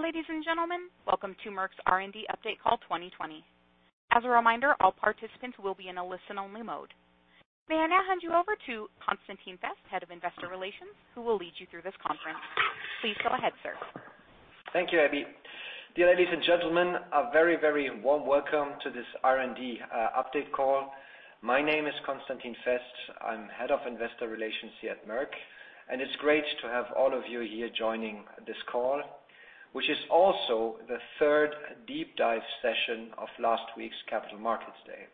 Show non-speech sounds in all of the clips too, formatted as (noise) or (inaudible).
Dear ladies and gentlemen, welcome to Merck's R&D Update Call 2020. As a reminder, all participants will be in a listen-only mode. May I now hand you over to Constantin Fest, Head of Investor Relations, who will lead you through this conference. Please go ahead, sir. Thank you, Abby. Dear ladies and gentlemen, a very, very warm welcome to this R&D update call. My name is Constantin Fest. I'm Head of Investor Relations here at Merck. It's great to have all of you here joining this call, which is also the third deep dive session of last week's Capital Markets Day.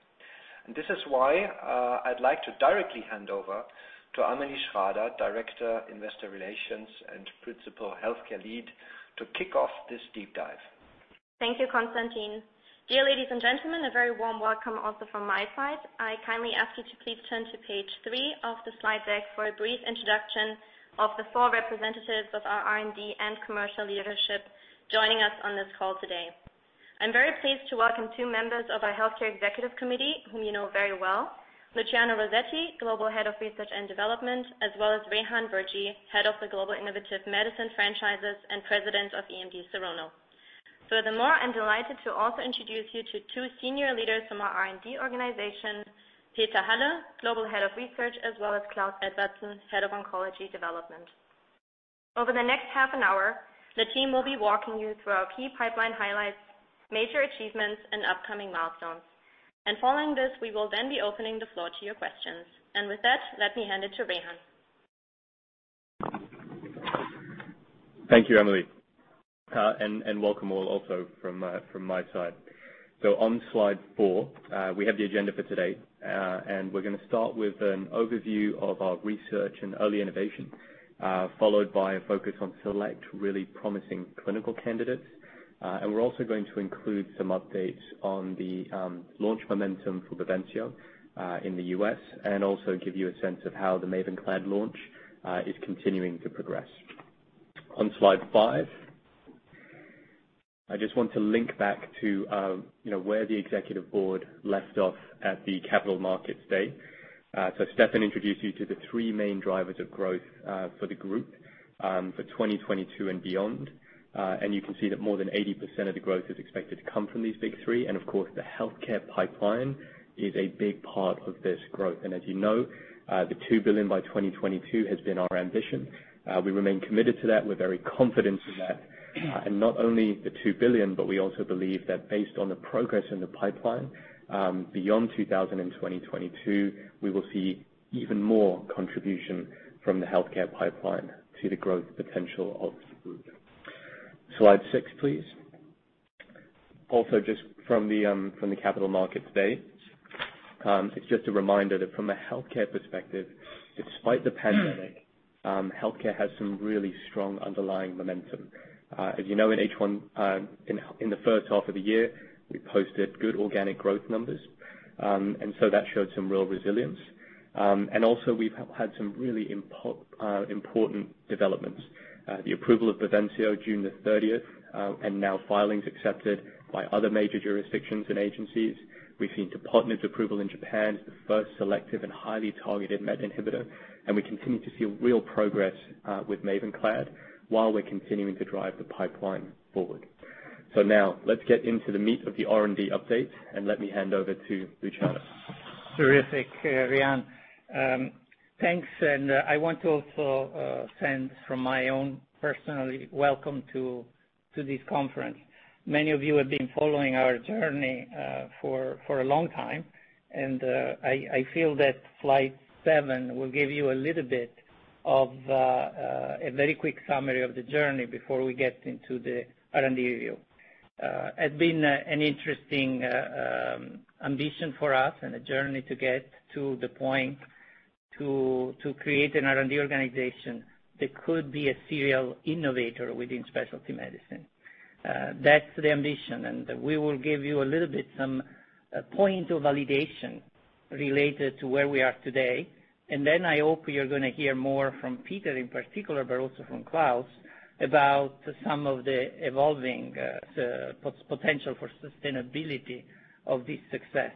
This is why I'd like to directly hand over to Amelie Schrader, Director, Investor Relations and Principal Healthcare Lead, to kick off this deep dive. Thank you, Constantin. Dear ladies and gentlemen, a very warm welcome also from my side. I kindly ask you to please turn to page three of the slide deck for a brief introduction of the four representatives of our R&D and commercial leadership joining us on this call today. I am very pleased to welcome two members of our Healthcare Executive Committee, whom you know very well, Luciano Rossetti, Global Head of Research and Development, as well as Rehan Verjee, Head of the Global Innovative Medicine Franchises and President of EMD Serono. Furthermore, I am delighted to also introduce you to two senior leaders from our R&D organization, Joern-Peter Halle, Global Head of Research, as well as Klaus Edvardsen, Head of Oncology Development. Over the next half an hour, the team will be walking you through our key pipeline highlights, major achievements and upcoming milestones. Following this, we will then be opening the floor to your questions. With that, let me hand it to Rehan. Thank you, Amelie. Welcome all also from my side. On slide four, we have the agenda for today, and we're going to start with an overview of our research and early innovation, followed by a focus on select really promising clinical candidates. We're also going to include some updates on the launch momentum for BAVENCIO in the U.S., and also give you a sense of how the MAVENCLAD launch is continuing to progress. On slide five, I just want to link back to where the executive board left off at the Capital Markets Day. Stefan introduced you to the three main drivers of growth for the group for 2022 and beyond. You can see that more than 80% of the growth is expected to come from these big three. Of course, the healthcare pipeline is a big part of this growth. As you know, the 2 billion by 2022 has been our ambition. We remain committed to that. We're very confident in that. Not only the 2 billion, but we also believe that based on the progress in the pipeline, beyond 2020, 2022, we will see even more contribution from the healthcare pipeline to the growth potential of the group. Slide six, please. Just from the Capital Markets Day. It's just a reminder that from a healthcare perspective, despite the pandemic, healthcare has some really strong underlying momentum. As you know, in H1, in the first half of the year, we posted good organic growth numbers, and so that showed some real resilience. Also, we've had some really important developments. The approval of BAVENCIO June 30th, and now filings accepted by other major jurisdictions and agencies. We've seen tepotinib approval in Japan as the first selective and highly targeted MET inhibitor, and we continue to see real progress with MAVENCLAD while we're continuing to drive the pipeline forward. Now let's get into the meat of the R&D update and let me hand over to Luciano. Terrific, Rehan. Thanks. I want to also send from my own personally, welcome to this conference. Many of you have been following our journey for a long time. I feel that slide seven will give you a little bit of a very quick summary of the journey before we get into the R&D review. It's been an interesting ambition for us and a journey to get to the point to create an R&D organization that could be a serial innovator within specialty medicine. That's the ambition. We will give you a little bit, some point of validation related to where we are today. I hope you're going to hear more from Peter in particular, but also from Klaus, about some of the evolving potential for sustainability of this success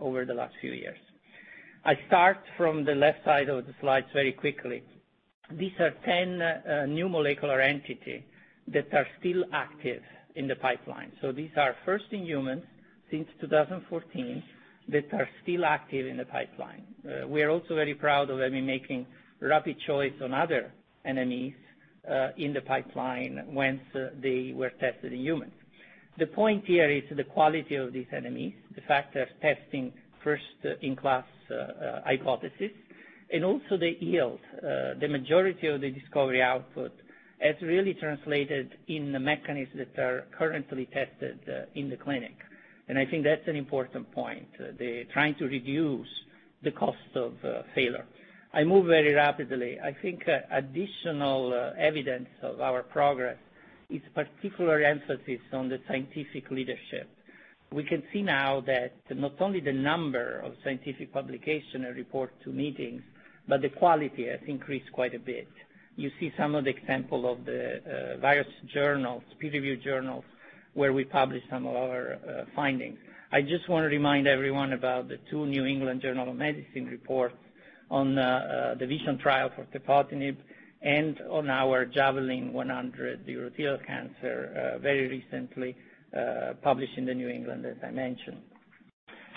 over the last few years. I start from the left side of the slides very quickly. These are 10 new molecular entity that are still active in the pipeline. These are first-in-human since 2014 that are still active in the pipeline. We are also very proud of having making rapid choice on other NMEs in the pipeline once they were tested in humans. The point here is the quality of these NMEs, the fact they're testing first-in-class hypothesis and also the yield. The majority of the discovery output has really translated in the mechanisms that are currently tested in the clinic. I think that's an important point. They're trying to reduce the cost of failure. I move very rapidly. I think additional evidence of our progress is particular emphasis on the scientific leadership. We can see now that not only the number of scientific publication and report to meetings, but the quality has increased quite a bit. You see some of the example of the various journals, peer-reviewed journals, where we publish some of our findings. I just want to remind everyone about the two New England Journal of Medicine reports on the VISION trial for tepotinib and on our JAVELIN Bladder 100 urothelial cancer very recently published in the New England, as I mentioned.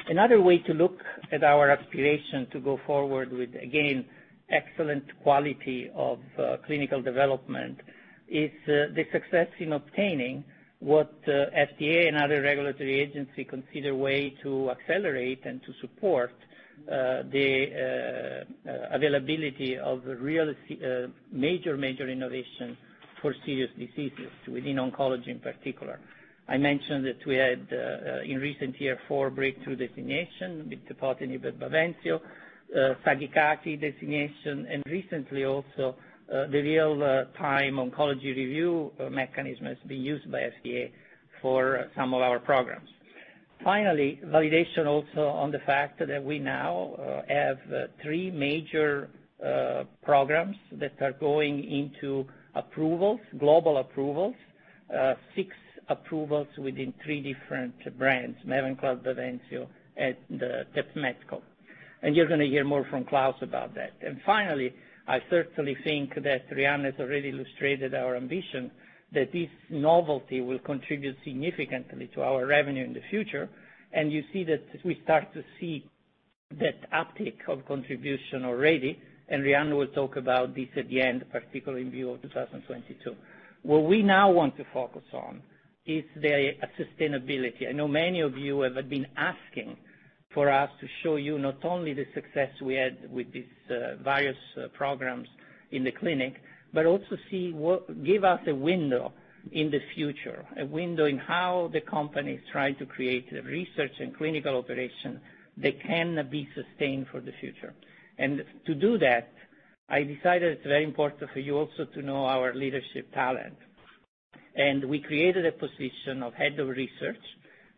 Another way to look at our aspiration to go forward with, again, excellent quality of clinical development is the success in obtaining what FDA and other regulatory agency consider way to accelerate and to support the availability of the real major innovation for serious diseases within oncology in particular. I mentioned that we had, in recent year, four breakthrough designation with tepotinib and BAVENCIO, SAKIGAKE designation, and recently also the Real-Time Oncology Review mechanism has been used by FDA for some of our programs. Validation also on the fact that we now have three major programs that are going into approvals, global approvals, six approvals within three different brands, MAVENCLAD, BAVENCIO, and TEPMETKO. You're going to hear more from Klaus about that. Finally, I certainly think that Rehan has already illustrated our ambition that this novelty will contribute significantly to our revenue in the future. You see that as we start to see that uptick of contribution already, Rehan will talk about this at the end, particularly in view of 2022. What we now want to focus on is the sustainability. I know many of you have been asking for us to show you not only the success we had with these various programs in the clinic, but also give us a window in the future, a window in how the company is trying to create research and clinical operations that can be sustained for the future. To do that, I decided it's very important for you also to know our leadership talent. We created a position of head of research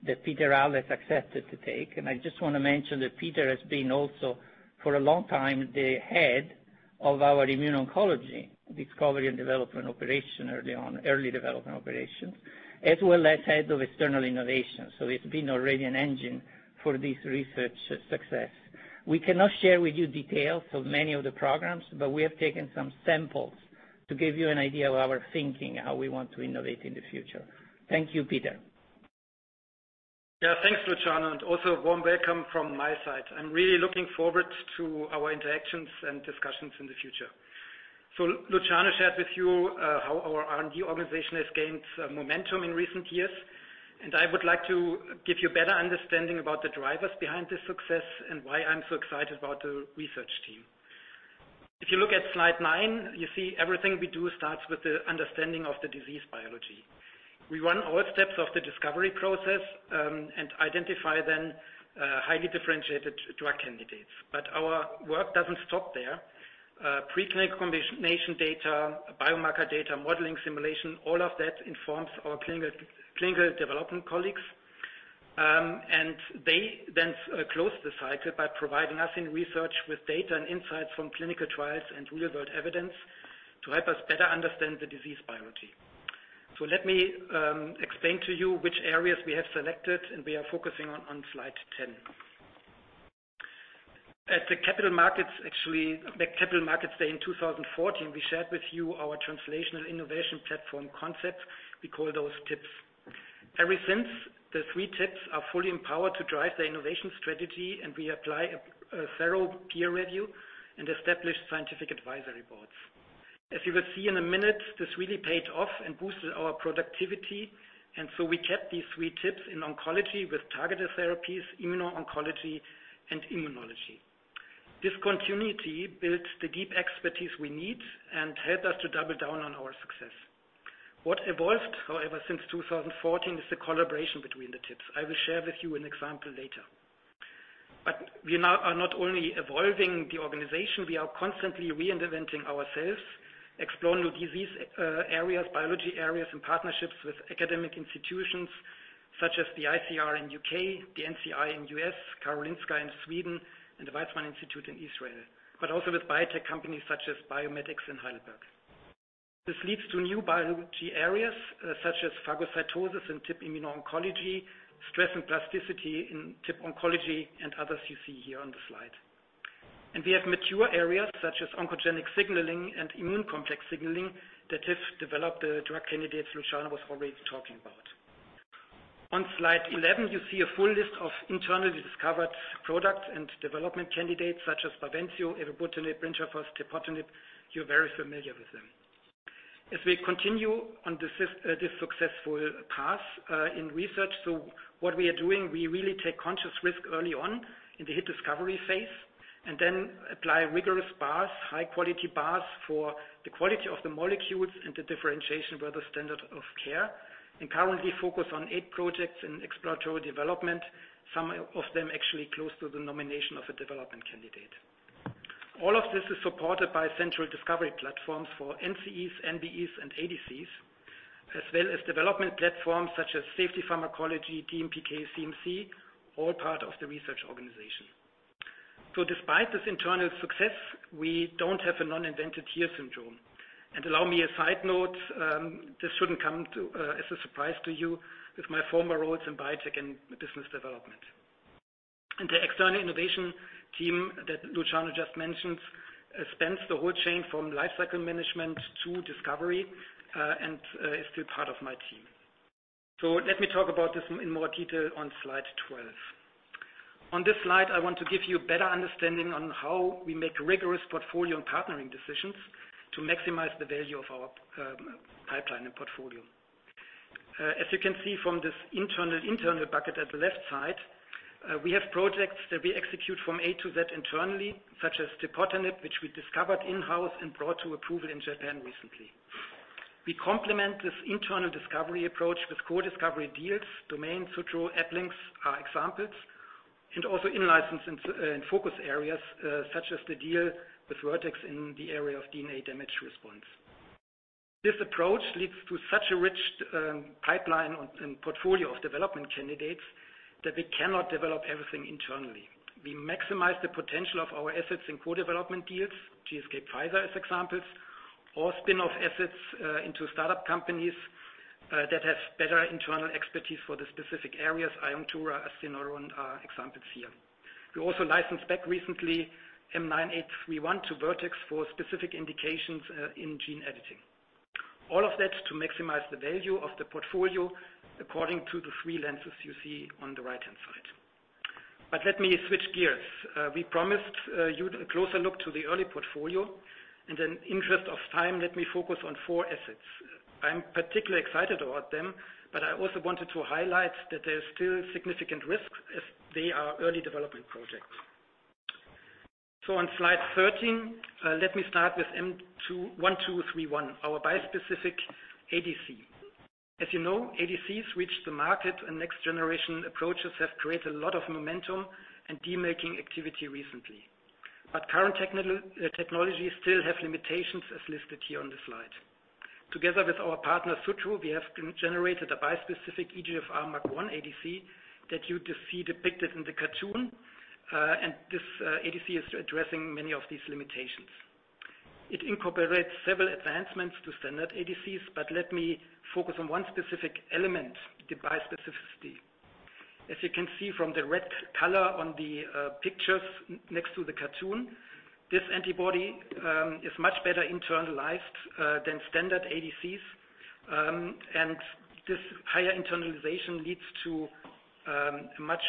that Peter Halle has accepted to take. I just want to mention that Peter has been also, for a long time, the head of our immuno-oncology discovery and development operation early on, early development operations, as well as head of external innovation. He's been already an engine for this research success. We cannot share with you details of many of the programs, but we have taken some samples to give you an idea of our thinking, how we want to innovate in the future. Thank you, Peter. Yeah. Thanks, Luciano. Also a warm welcome from my side. I'm really looking forward to our interactions and discussions in the future. Luciano shared with you how our R&D organization has gained some momentum in recent years. I would like to give you better understanding about the drivers behind this success and why I'm so excited about the research team. If you look at slide nine, you see everything we do starts with the understanding of the disease biology. We run all steps of the discovery process, and identify then highly differentiated drug candidates. Our work doesn't stop there. Preclinical combination data, biomarker data, modeling simulation, all of that informs our clinical development colleagues. They then close the cycle by providing us in research with data and insights from clinical trials and real-world evidence to help us better understand the disease biology. Let me explain to you which areas we have selected and we are focusing on slide 10. At the Capital Markets Day in 2014, we shared with you our Translational Innovation Platform concepts. We call those TIPs. Ever since, the three TIPs are fully empowered to drive the innovation strategy, and we apply a thorough peer review and establish scientific advisory boards. As you will see in a minute, this really paid off and boosted our productivity, we kept these three TIPs in oncology with targeted therapies, immuno-oncology, and immunology. This continuity built the deep expertise we need and helped us to double down on our success. What evolved, however, since 2014, is the collaboration between the TIPs. I will share with you an example later. We now are not only evolving the organization, we are constantly reinventing ourselves, exploring new disease areas, biology areas, and partnerships with academic institutions such as the ICR in U.K., the NCI in U.S., Karolinska in Sweden, and the Weizmann Institute in Israel. Also with biotech companies such as BioMed X in Heidelberg. This leads to new biology areas such as phagocytosis and TIP immuno-oncology, stress and plasticity in TIP oncology, and others you see here on the slide. We have mature areas such as oncogenic signaling and immune complex signaling that have developed the drug candidates Luciano was already talking about. On slide 11, you see a full list of internally discovered products and development candidates such as BAVENCIO, eribulin, bintrafusp, tepotinib. You're very familiar with them. As we continue on this successful path in research, so what we are doing, we really take conscious risk early on in the hit discovery phase, and then apply rigorous paths, high-quality paths for the quality of the molecules and the differentiation where the standard of care, and currently focus on eight projects in exploratory development. Some of them actually close to the nomination of a development candidate. All of this is supported by central discovery platforms for NCEs, NBEs, and ADCs, as well as development platforms such as safety pharmacology, DMPK, CMC, all part of the research organization. Despite this internal success, we don't have a non-inventive here syndrome. Allow me a side note, this shouldn't come as a surprise to you with my former roles in biotech and business development. The external innovation team that Luciano just mentioned spans the whole chain from lifecycle management to discovery, and is still part of my team. Let me talk about this in more detail on slide 12. On this slide, I want to give you a better understanding on how we make rigorous portfolio and partnering decisions to maximize the value of our pipeline and portfolio. You can see from this internal bucket at the left side, we have projects that we execute from A-Z internally, such as tepotinib, which we discovered in-house and brought to approval in Japan recently. We complement this internal discovery approach with co-discovery deals, Domain, Sutro, Ablynx are examples, and also in-license in focus areas such as the deal with Vertex in the area of DNA damage response. This approach leads to such a rich pipeline and portfolio of development candidates that we cannot develop everything internally. We maximize the potential of our assets in co-development deals, GSK, Pfizer as examples, or spin-off assets into startup companies that have better internal expertise for the specific areas, iOnctura, Asceneuron are examples here. We also licensed back recently M9831 to Vertex for specific indications in gene editing. All of that to maximize the value of the portfolio according to the three lenses you see on the right-hand side. Let me switch gears. We promised you a closer look to the early portfolio, and in interest of time, let me focus on four assets. I'm particularly excited about them, but I also wanted to highlight that there is still significant risk as they are early development projects. On slide 13, let me start with M1231, our bispecific ADC. As you know, ADCs, which the market and next-generation approaches, have created a lot of momentum and deal-making activity recently. Current technologies still have limitations, as listed here on the slide. Together with our partner, Sutro, we have generated a bispecific EGFR MUC1 ADC that you see depicted in the cartoon. This ADC is addressing many of these limitations. It incorporates several advancements to standard ADCs. Let me focus on one specific element, the bispecificity. As you can see from the red color on the pictures next to the cartoon, this antibody is much better internalized than standard ADCs. This higher internalization leads to much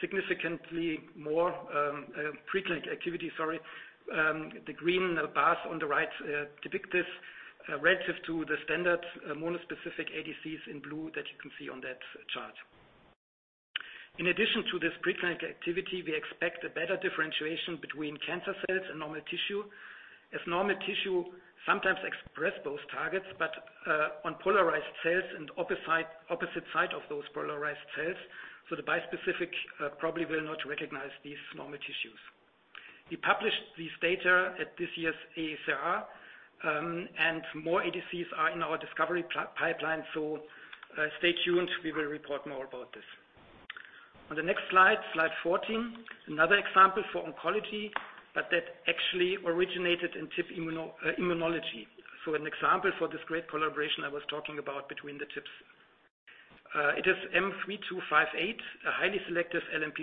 significantly more preclinical activity. Sorry. The green bars on the right depict this relative to the standard monospecific ADCs in blue that you can see on that chart. In addition to this preclinical activity, we expect a better differentiation between cancer cells and normal tissue, as normal tissue sometimes express those targets, but on polarized cells and opposite side of those polarized cells. The bispecific probably will not recognize these normal tissues. We published this data at this year's AACR, and more ADCs are in our discovery pipeline, so stay tuned. We will report more about this. On the next slide 14, another example for oncology, but that actually originated in TIP immunology. An example for this great collaboration I was talking about between the TIPs. It is M3258, a highly selective LMP7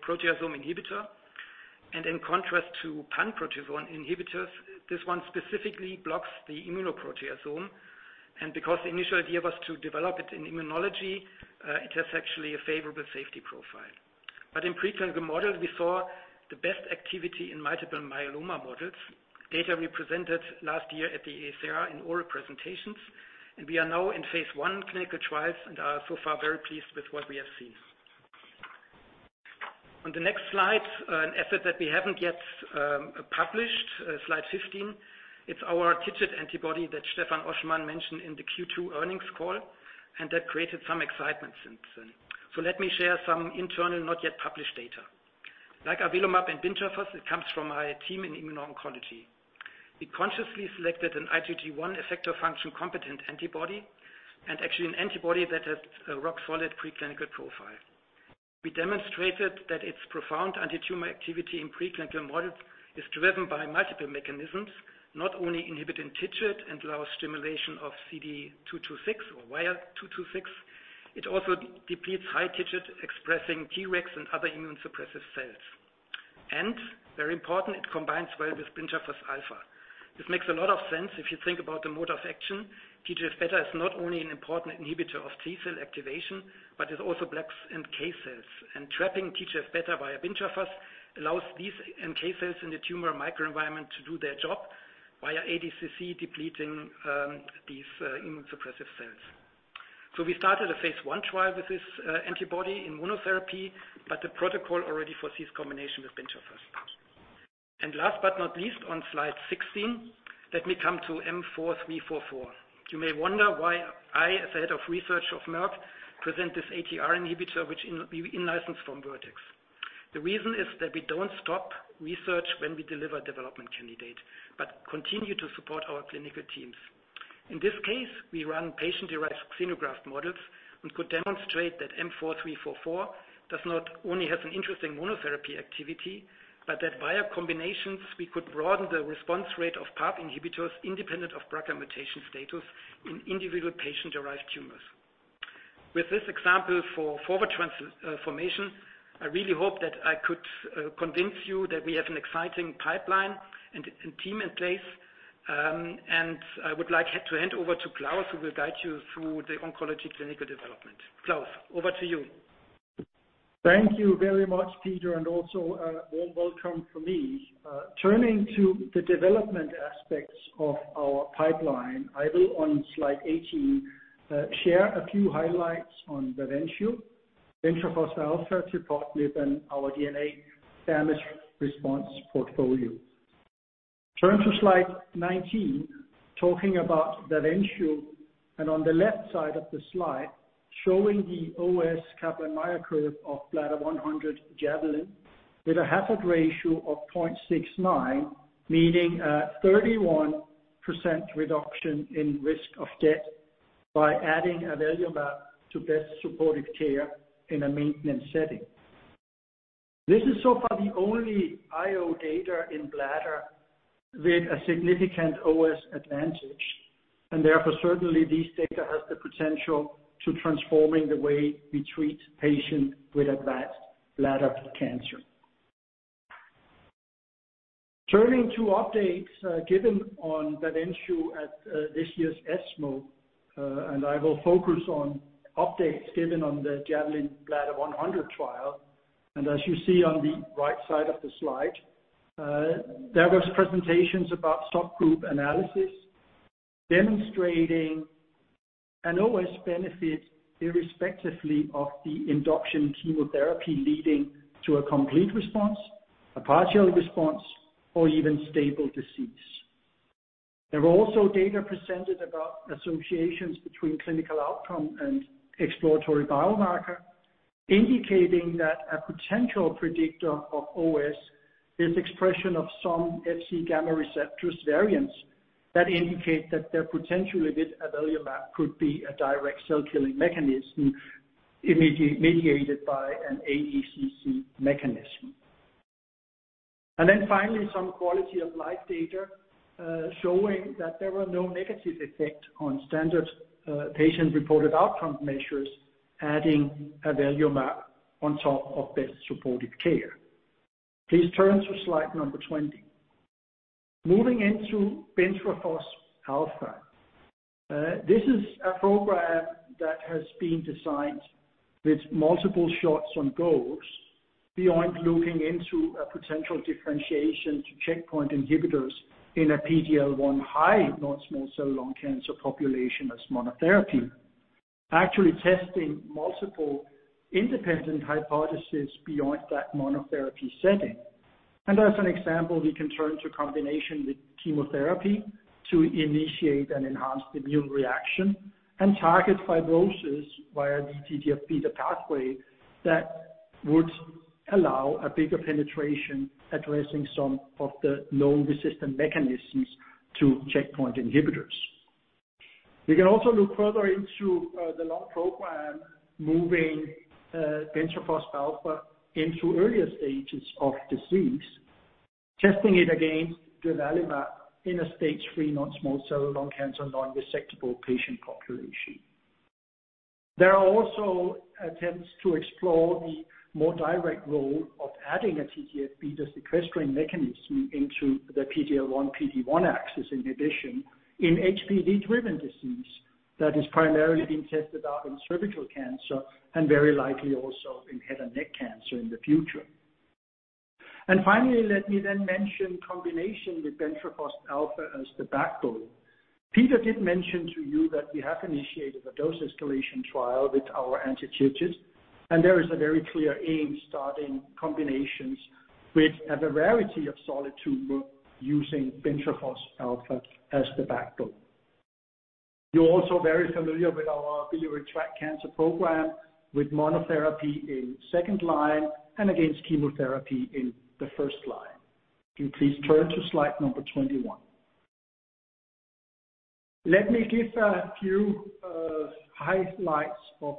proteasome inhibitor. In contrast to pan-proteasome inhibitors, this one specifically blocks the immunoproteasome. Because the initial idea was to develop it in immunology, it has actually a favorable safety profile. In preclinical models, we saw the best activity in multiple myeloma models, data we presented last year at the AACR in oral presentations. We are now in phase I clinical trials and are so far very pleased with what we have seen. On the next slide, an asset that we haven't yet published, slide 15. It's our TIGIT antibody that Stefan Oschmann mentioned in the Q2 earnings call, and that created some excitement since then. Let me share some internal, not yet published data. Like avelumab and bintrafusp, it comes from our team in immuno-oncology. We consciously selected an IgG1 effector function competent antibody, and actually an antibody that has a rock solid preclinical profile. We demonstrated that its profound antitumor activity in preclinical models is driven by multiple mechanisms, not only inhibiting TIGIT and low stimulation of CD226 or [CD226] It also depletes high TIGIT expressing T-regs and other immunosuppressive cells. Very important, it combines well with bintrafusp alfa. This makes a lot of sense if you think about the mode of action. TGF-β is not only an important inhibitor of T-cell activation, but it also blocks NK cells. Trapping TGF-β via bintrafusp allows these NK cells in the tumor microenvironment to do their job via ADCC depleting these immunosuppressive cells. We started a phase I trial with this antibody in monotherapy, but the protocol already foresees combination with bintrafusp. Last but not least, on slide 16, let me come to M4344. You may wonder why I, as the head of research of Merck, present this ATR inhibitor, which we in-licensed from Vertex. The reason is that we don't stop research when we deliver development candidate, but continue to support our clinical teams. In this case, we run patient-derived xenograft models and could demonstrate that M4344 does not only have an interesting monotherapy activity, but that via combinations, we could broaden the response rate of PARP inhibitors independent of BRCA mutation status in individual patient-derived tumors. With this example for forward transformation, I really hope that I could convince you that we have an exciting pipeline and team in place. I would like to hand over to Klaus, who will guide you through the oncology clinical development. Klaus, over to you. Thank you very much, Peter, and also a warm welcome from me. Turning to the development aspects of our pipeline, I will, on slide 18, share a few highlights on BAVENCIO, bintrafusp alfa, tepotinib, and our DNA damage response portfolio. Turn to slide 19, talking about BAVENCIO, and on the left side of the slide, showing the OS Kaplan-Meier curve of JAVELIN Bladder 100 with a hazard ratio of 0.69, meaning a 31% reduction in risk of death by adding avelumab to best supportive care in a maintenance setting. This is so far the only IO data in bladder with a significant OS advantage, and therefore, certainly this data has the potential to transforming the way we treat patients with advanced bladder cancer. Turning to updates given on BAVENCIO at this year's ESMO, and I will focus on updates given on the JAVELIN Bladder 100 trial. As you see on the right side of the slide, there was presentations about stock group analysis demonstrating an OS benefit irrespectively of the induction chemotherapy leading to a complete response, a partial response, or even stable disease. There were also data presented about associations between clinical outcome and exploratory biomarker, indicating that a potential predictor of OS is expression of some Fc gamma receptors variants that indicate that there potentially with avelumab could be a direct cell killing mechanism mediated by an ADCC mechanism. Then finally, some quality of life data, showing that there were no negative effect on standard patient-reported outcome measures, adding avelumab on top of best supportive care. Please turn to slide number 20. Moving into bintrafusp alfa. This is a program that has been designed with multiple shots on goals beyond looking into a potential differentiation to checkpoint inhibitors in a PD-L1 high non-small cell lung cancer population as monotherapy. Actually testing multiple independent hypothesis beyond that monotherapy setting. As an example, we can turn to combination with chemotherapy to initiate and enhance immune reaction and target fibrosis via the TGF-β pathway that would allow a bigger penetration, addressing some of the known resistant mechanisms to checkpoint inhibitors. We can also look further into the lung program, moving bintrafusp alfa into earlier stages of disease, testing it against durvalumab in a stage three non-small cell lung cancer non-resectable patient population. There are also attempts to explore the more direct role of adding a TGF-β sequestering mechanism into the PD-L1, PD-1 axis inhibition in HPV-driven disease that is primarily being tested out in cervical cancer and very likely also in head and neck cancer in the future. Finally, let me then mention combination with bintrafusp alfa as the backbone. Peter did mention to you that we have initiated a dose escalation trial with our anti-TIGIT. There is a very clear aim starting combinations with a variety of solid tumor using bintrafusp alfa as the backbone. You are also very familiar with our biliary tract cancer program with monotherapy in second line and against chemotherapy in the first line. Can you please turn to slide number 21. Let me give a few highlights of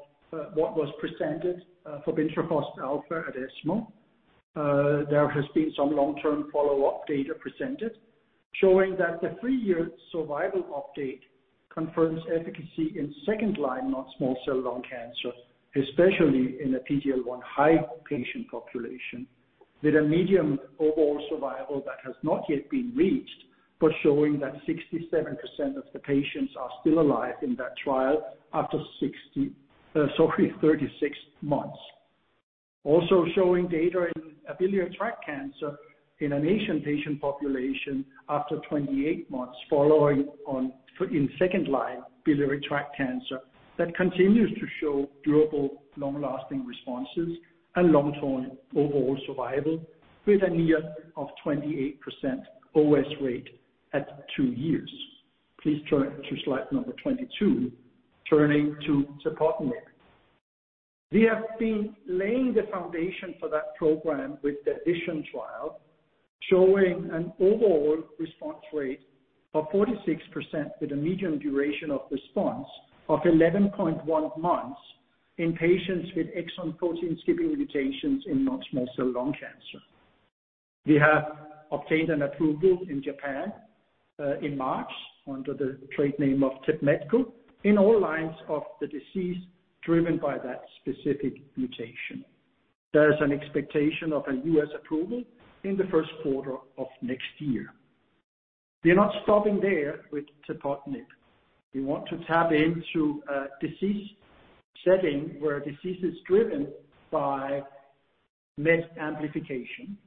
what was presented for bintrafusp alfa at ESMO. There has been some long-term follow-up data presented showing that the three-year survival update confirms efficacy in second-line non-small cell lung cancer, especially in a PD-L1 high patient population with a median overall survival that has not yet been reached, but showing that 67% of the patients are still alive in that trial after 60 months, sorry, 36 months. Also showing data in a biliary tract cancer in an Asian patient population after 28 months following on in second line biliary tract cancer that continues to show durable, long-lasting responses and long-term overall survival with a near of 28% OS rate at two years. Please turn to slide number 22, turning to tepotinib. We have been laying the foundation for that program with the VISION trial, showing an overall response rate of 46% with a median duration of response of 11.1 months in patients with exon 14 skipping mutations in non-small cell lung cancer. We have obtained an approval in Japan, in March, under the trade name of TEPMETKO, in all lines of the disease driven by that specific mutation. There is an expectation of a U.S. approval in the first quarter of next year. We are not stopping there with tepotinib. We want to tap into a disease setting where disease is driven by MET amplification.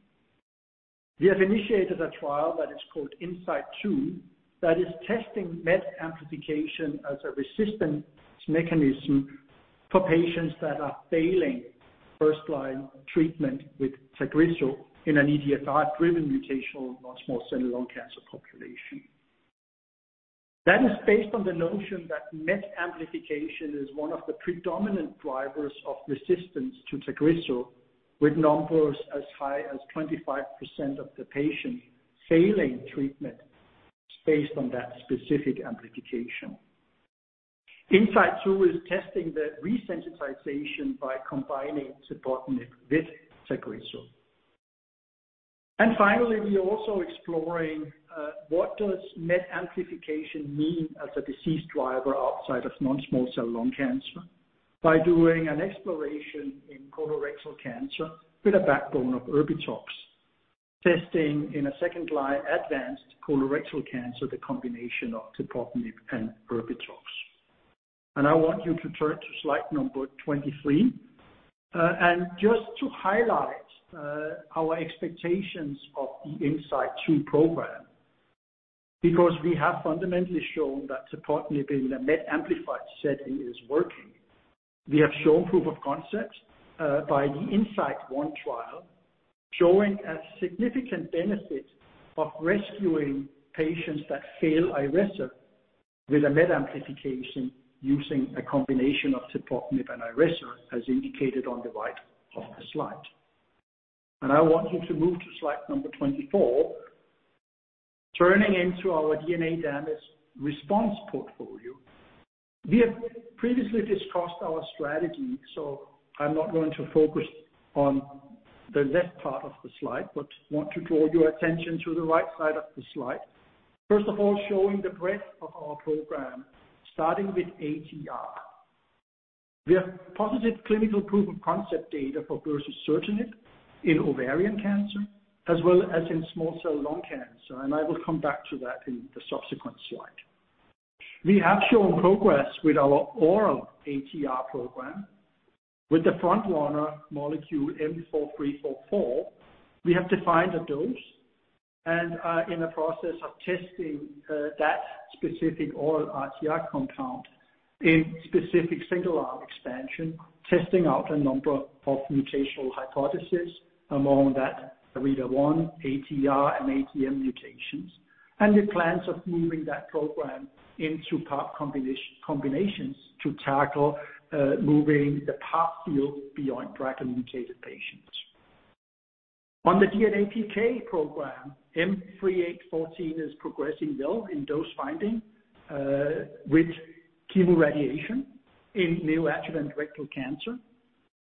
We have initiated a trial that is called INSIGHT 2, that is testing MET amplification as a resistance mechanism for patients that are failing first-line treatment with TAGRISSO in an EGFR-driven mutational non-small cell lung cancer population. That is based on the notion that MET amplification is one of the predominant drivers of resistance to TAGRISSO, with numbers as high as 25% of the patients failing treatment based on that specific amplification. INSIGHT 2 is testing the resensitization by combining tepotinib with TAGRISSO. Finally, we are also exploring what does MET amplification mean as a disease driver outside of non-small cell lung cancer, by doing an exploration in colorectal cancer with a backbone of ERBITUX, testing in a second-line advanced colorectal cancer, the combination of tepotinib and ERBITUX. I want you to turn to slide number 23. Just to highlight our expectations of the INSIGHT 2 program, because we have fundamentally shown that tepotinib in a MET amplified setting is working. We have shown proof of concept by the INSIGHT 1 trial, showing a significant benefit of rescuing patients that fail IRESSA with a MET amplification using a combination of tepotinib and IRESSA, as indicated on the right of the slide. I want you to move to slide number 24, turning into our DNA damage response portfolio. We have previously discussed our strategy, so I'm not going to focus on the left part of the slide, but want to draw your attention to the right side of the slide. First of all, showing the breadth of our program, starting with ATR. We have positive clinical proof of concept data for berzosertib in ovarian cancer, as well as in small cell lung cancer, and I will come back to that in the subsequent slide. We have shown progress with our oral ATR program. With the front-runner molecule M4344, we have defined a dose and are in the process of testing that specific oral ATR compound in specific single-arm expansion, testing out a number of mutational hypothesis. Among that, ARID1A, ATR, and ATM mutations, and the plans of moving that program into path combinations to tackle moving the path field beyond BRCA-mutated patients. On the DNA PK program, M3814 is progressing well in dose finding with chemoradiation in neo-adjuvant rectal cancer.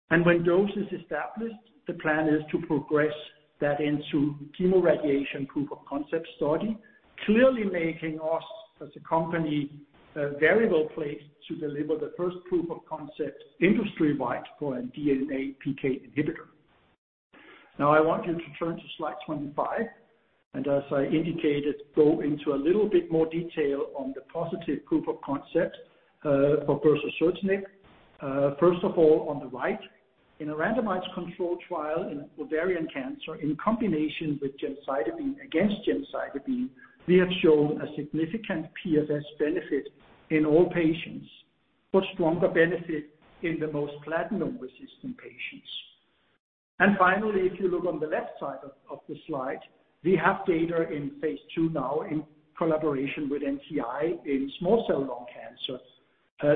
When dose is established, the plan is to progress that into chemoradiation proof of concept study, clearly making us, as a company, very well-placed to deliver the first proof of concept industry-wide for a DNA PK inhibitor. Now I want you to turn to slide 25, and as I indicated, go into a little bit more detail on the positive proof of concept for berzosertib. First of all, on the right, in a randomized control trial in ovarian cancer, in combination with gemcitabine against gemcitabine, we have shown a significant PFS benefit in all patients, but stronger benefit in the most platinum-resistant patients. Finally, if you look on the left side of the slide, we have data in phase II now in collaboration with NCI in small cell lung cancer.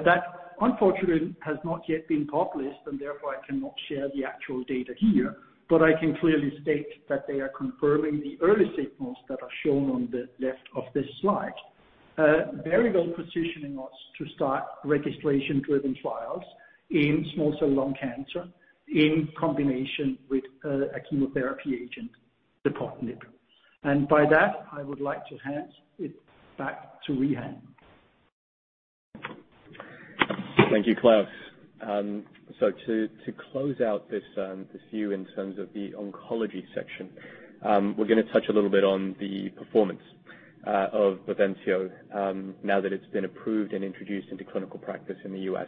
That unfortunately has not yet been published, and therefore I cannot share the actual data here, but I can clearly state that they are confirming the early signals that are shown on the left of this slide. Very well positioning us to start registration-driven trials in small cell lung cancer in combination with a chemotherapy agent, tepotinib. By that, I would like to hand it back to Rehan. Thank you, Klaus. To close out this view in terms of the oncology section, we're going to touch a little bit on the performance of BAVENCIO now that it's been approved and introduced into clinical practice in the U.S.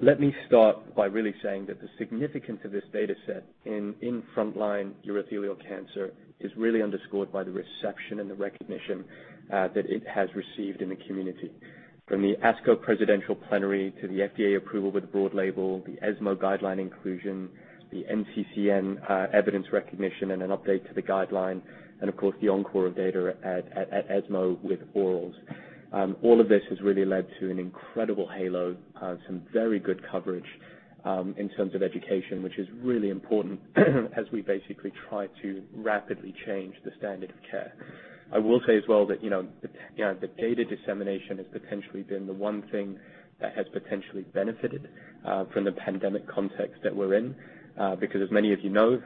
Let me start by really saying that the significance of this data set in frontline urothelial cancer is really underscored by the reception and the recognition that it has received in the community. From the ASCO presidential plenary to the FDA approval with broad label, the ESMO guideline inclusion, the NCCN evidence recognition, and an update to the guideline, and of course, the encore of data at ESMO with orals. All of this has really led to an incredible halo, some very good coverage in terms of education, which is really important as we basically try to rapidly change the standard of care. I will say as well that the data dissemination has potentially been the one thing that has potentially benefited from the pandemic context that we're in, because as many of you know,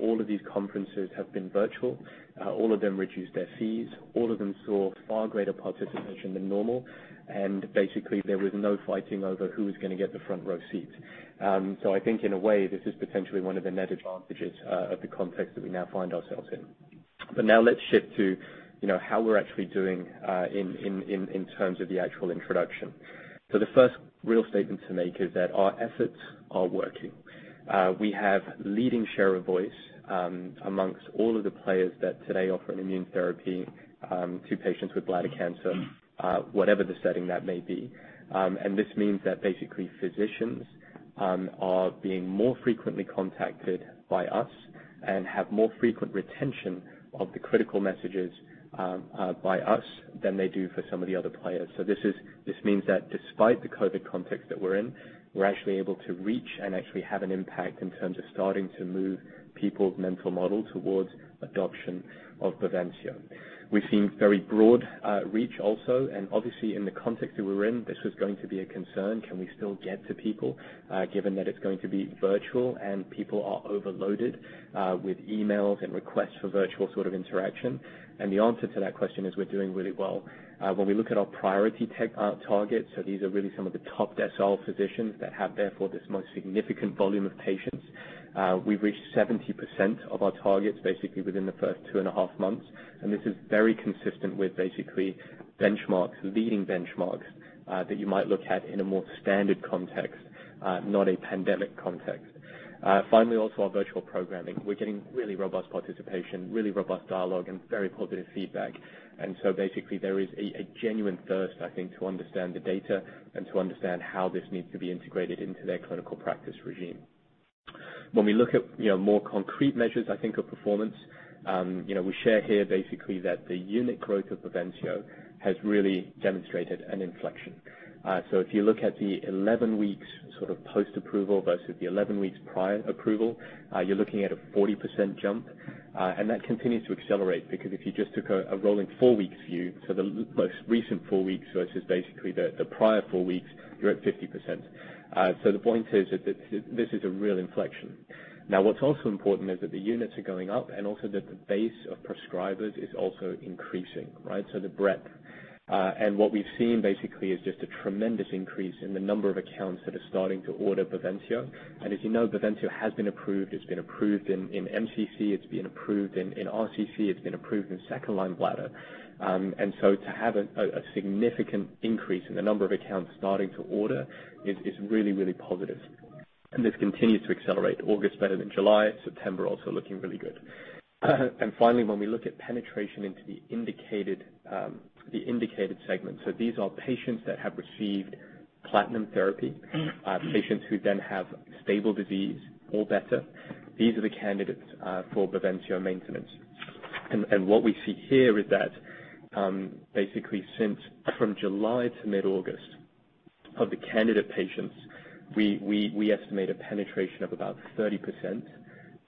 all of these conferences have been virtual. All of them reduced their fees. All of them saw far greater participation than normal. Basically, there was no fighting over who was going to get the front row seats. I think in a way, this is potentially one of the net advantages of the context that we now find ourselves in. Now let's shift to how we're actually doing in terms of the actual introduction. The first real statement to make is that our efforts are working. We have leading share of voice amongst all of the players that today offer an immune therapy to patients with bladder cancer, whatever the setting that may be. This means that basically, physicians are being more frequently contacted by us and have more frequent retention of the critical messages by us than they do for some of the other players. This means that despite the COVID context that we're in, we're actually able to reach and actually have an impact in terms of starting to move people's mental model towards adoption of BAVENCIO. We've seen very broad reach also, and obviously, in the context that we're in, this was going to be a concern. Can we still get to people, given that it's going to be virtual and people are overloaded with emails and requests for virtual sort of interaction? The answer to that question is we're doing really well. When we look at our priority tech targets, so these are really some of the top SL physicians that have therefore, this most significant volume of patients. We've reached 70% of our targets basically within the first 2.5 Months. This is very consistent with basically benchmarks, leading benchmarks, that you might look at in a more standard context, not a pandemic context. Finally, also our virtual programming. We're getting really robust participation, really robust dialogue, and very positive feedback. Basically, there is a genuine thirst, I think, to understand the data and to understand how this needs to be integrated into their clinical practice regime. When we look at more concrete measures, I think, of performance, we share here basically that the unit growth of BAVENCIO has really demonstrated an inflection. If you look at the 11 weeks sort of post-approval versus the 11 weeks prior approval, you're looking at a 40% jump, and that continues to accelerate, because if you just took a rolling four-week view to the most recent four weeks versus the prior four weeks, you're at 50%. The point is that this is a real inflection. Now, what's also important is that the units are going up and also that the base of prescribers is also increasing, right? The breadth. What we've seen basically is just a tremendous increase in the number of accounts that are starting to order BAVENCIO. As you know, BAVENCIO has been approved. It's been approved in MCC, it's been approved in RCC, it's been approved in second-line bladder. To have a significant increase in the number of accounts starting to order is really, really positive, and this continues to accelerate. August better than July, September also looking really good. When we look at penetration into the indicated segments. These are patients that have received platinum therapy, patients who then have stable disease or better. These are the candidates for BAVENCIO maintenance. What we see here is that basically since from July to mid-August, of the candidate patients, we estimate a penetration of about 30%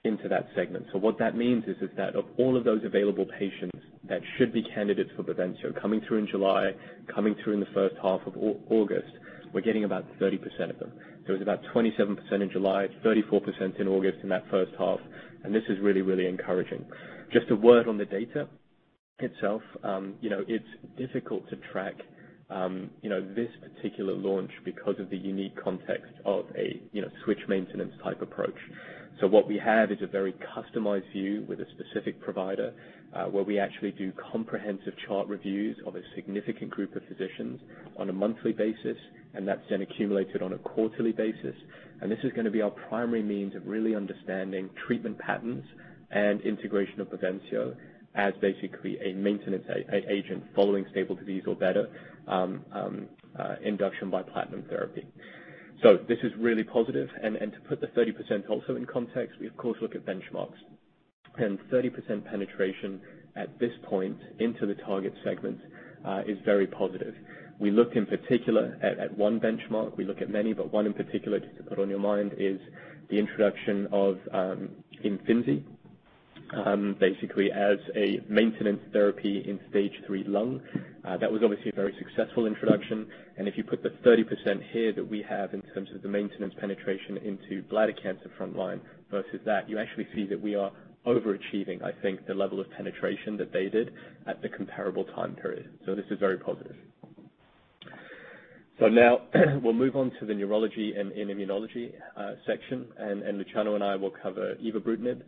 into that segment. What that means is that of all of those available patients that should be candidates for BAVENCIO coming through in July, coming through in the first half of August, we're getting about 30% of them. It was about 27% in July, 34% in August in that first half, and this is really, really encouraging. Just a word on the data itself. It's difficult to track this particular launch because of the unique context of a switch maintenance type approach. What we have is a very customized view with a specific provider, where we actually do comprehensive chart reviews of a significant group of physicians on a monthly basis, and that's then accumulated on a quarterly basis. This is going to be our primary means of really understanding treatment patterns and integration of BAVENCIO as basically a maintenance agent following stable disease or better induction by platinum therapy. This is really positive. To put the 30% also in context, we of course look at benchmarks. 30% penetration at this point into the target segments is very positive. We look in particular at one benchmark. We look at many, but one in particular, just to put on your mind, is the introduction of Imfinzi, basically as a maintenance therapy in stage three lung. That was obviously a very successful introduction, if you put the 30% here that we have in terms of the maintenance penetration into bladder cancer frontline versus that, you actually see that we are overachieving, I think, the level of penetration that they did at the comparable time period. This is very positive. Now we'll move on to the neurology and immunology section, Luciano and I will cover evobrutinib,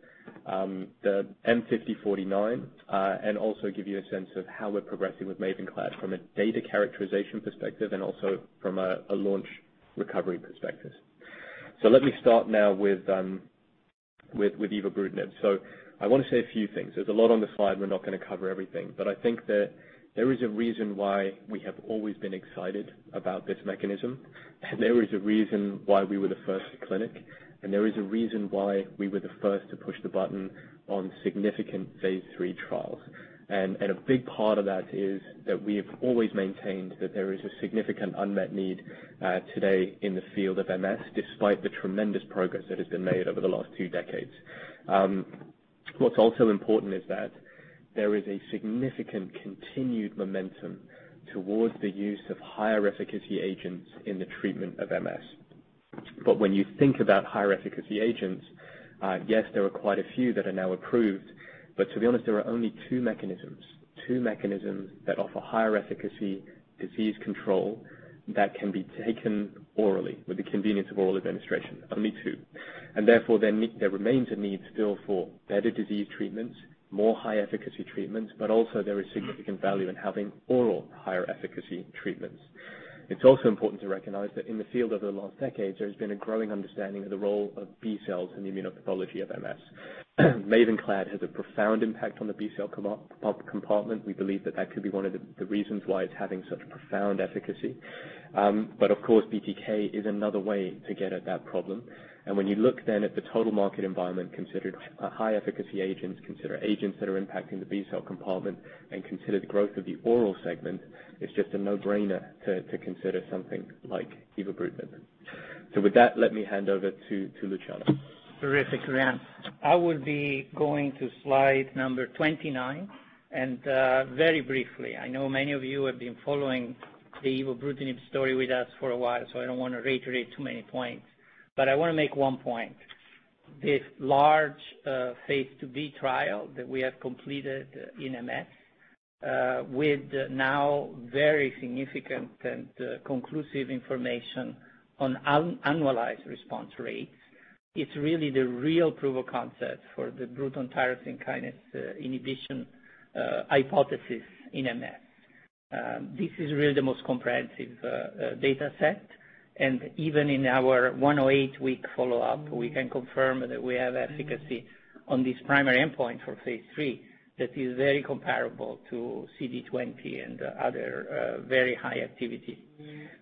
the M5049, and also give you a sense of how we're progressing with MAVENCLAD from a data characterization perspective and also from a launch recovery perspective. Let me start now with evobrutinib. I want to say a few things. There's a lot on the slide, we're not going to cover everything. I think that there is a reason why we have always been excited about this mechanism, and there is a reason why we were the first to clinic, and there is a reason why we were the first to push the button on significant phase III trials. A big part of that is that we have always maintained that there is a significant unmet need today in the field of MS, despite the tremendous progress that has been made over the last two decades. What's also important is that there is a significant continued momentum towards the use of higher efficacy agents in the treatment of MS. When you think about higher efficacy agents, yes, there are quite a few that are now approved, but to be honest, there are only two mechanisms that offer higher efficacy disease control that can be taken orally with the convenience of oral administration. Only two. Therefore, there remains a need still for better disease treatments, more high-efficacy treatments, but also there is significant value in having oral higher efficacy treatments. It is also important to recognize that in the field over the last decade, there has been a growing understanding of the role of B cells in the immunopathology of MS. MAVENCLAD has a profound impact on the B cell compartment. We believe that could be one of the reasons why it is having such profound efficacy. Of course, BTK is another way to get at that problem. When you look then at the total market environment, consider high efficacy agents, consider agents that are impacting the B cell compartment, and consider the growth of the oral segment, it's just a no-brainer to consider something like evobrutinib. With that, let me hand over to Luciano. Terrific, Rehan. I will be going to slide number 29, very briefly. I know many of you have been following the evobrutinib story with us for a while, I don't want to reiterate too many points. I want to make one point. This large phase II-B trial that we have completed in MS, with now very significant and conclusive information on annualized response rates, it's really the real proof of concept for the Bruton's tyrosine kinase inhibition hypothesis in MS. This is really the most comprehensive data set, even in our 108-week follow-up, we can confirm that we have efficacy on this primary endpoint for phase III that is very comparable to CD20 and other very high activity.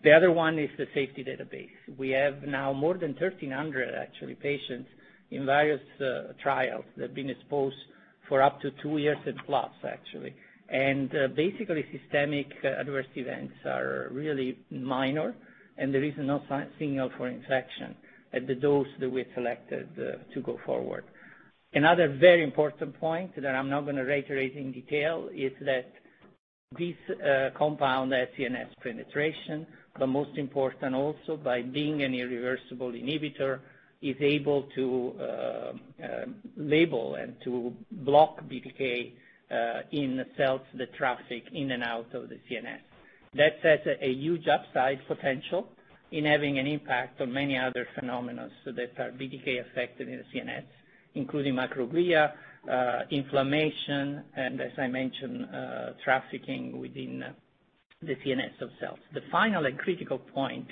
The other one is the safety database. We have now more than 1,300 actually, patients in various trials that have been exposed for up to two years and plus actually. Basically systemic adverse events are really minor, and there is no signal for infection at the dose that we have selected to go forward. Another very important point that I'm not going to reiterate in detail is that this compound has CNS penetration, but most important also, by being an irreversible inhibitor, is able to label and to block BTK in the cells that traffic in and out of the CNS. That sets a huge upside potential in having an impact on many other phenomena that are BTK affected in the CNS, including microglia, inflammation, and as I mentioned, trafficking within the CNS of cells. The final and critical point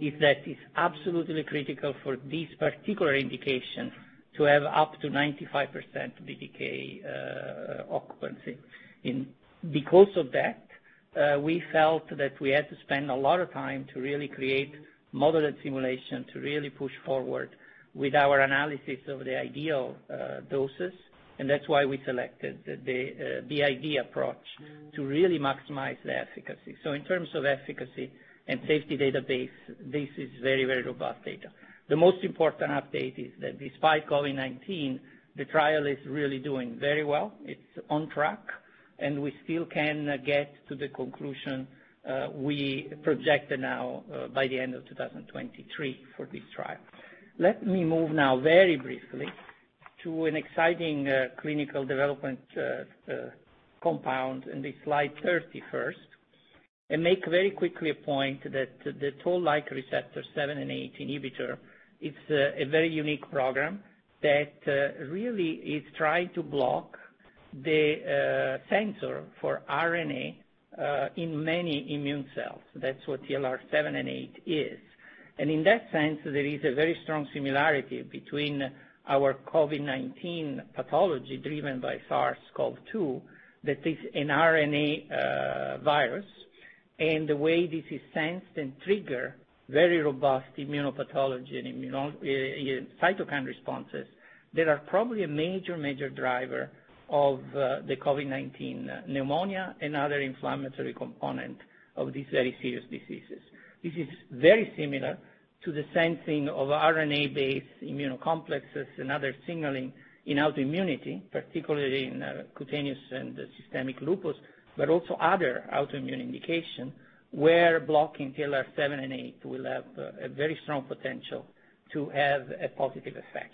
is that it's absolutely critical for this particular indication to have up to 95% BTK occupancy. Because of that, we felt that we had to spend a lot of time to really create modeled simulation to really push forward with our analysis of the ideal doses, that's why we selected the BID approach to really maximize the efficacy. In terms of efficacy and safety database, this is very robust data. The most important update is that despite COVID-19, the trial is really doing very well. It's on track, and we still can get to the conclusion we projected now by the end of 2023 for this trial. Let me move now very briefly to an exciting clinical development compound in the slide 31st. Make very quickly a point that the Toll-like receptor 7 and 8 inhibitor is a very unique program that really is trying to block the sensor for RNA in many immune cells. That's what TLR7/8 is. In that sense, there is a very strong similarity between our COVID-19 pathology driven by SARS-CoV-2, that is an RNA virus, and the way this is sensed and trigger very robust immunopathology and cytokine responses that are probably a major driver of the COVID-19 pneumonia and other inflammatory component of these very serious diseases. This is very similar to the sensing of RNA-based immunocomplexes and other signaling in autoimmunity, particularly in cutaneous and systemic lupus, but also other autoimmune indication, where blocking TLR7 and TLR8 will have a very strong potential to have a positive effect.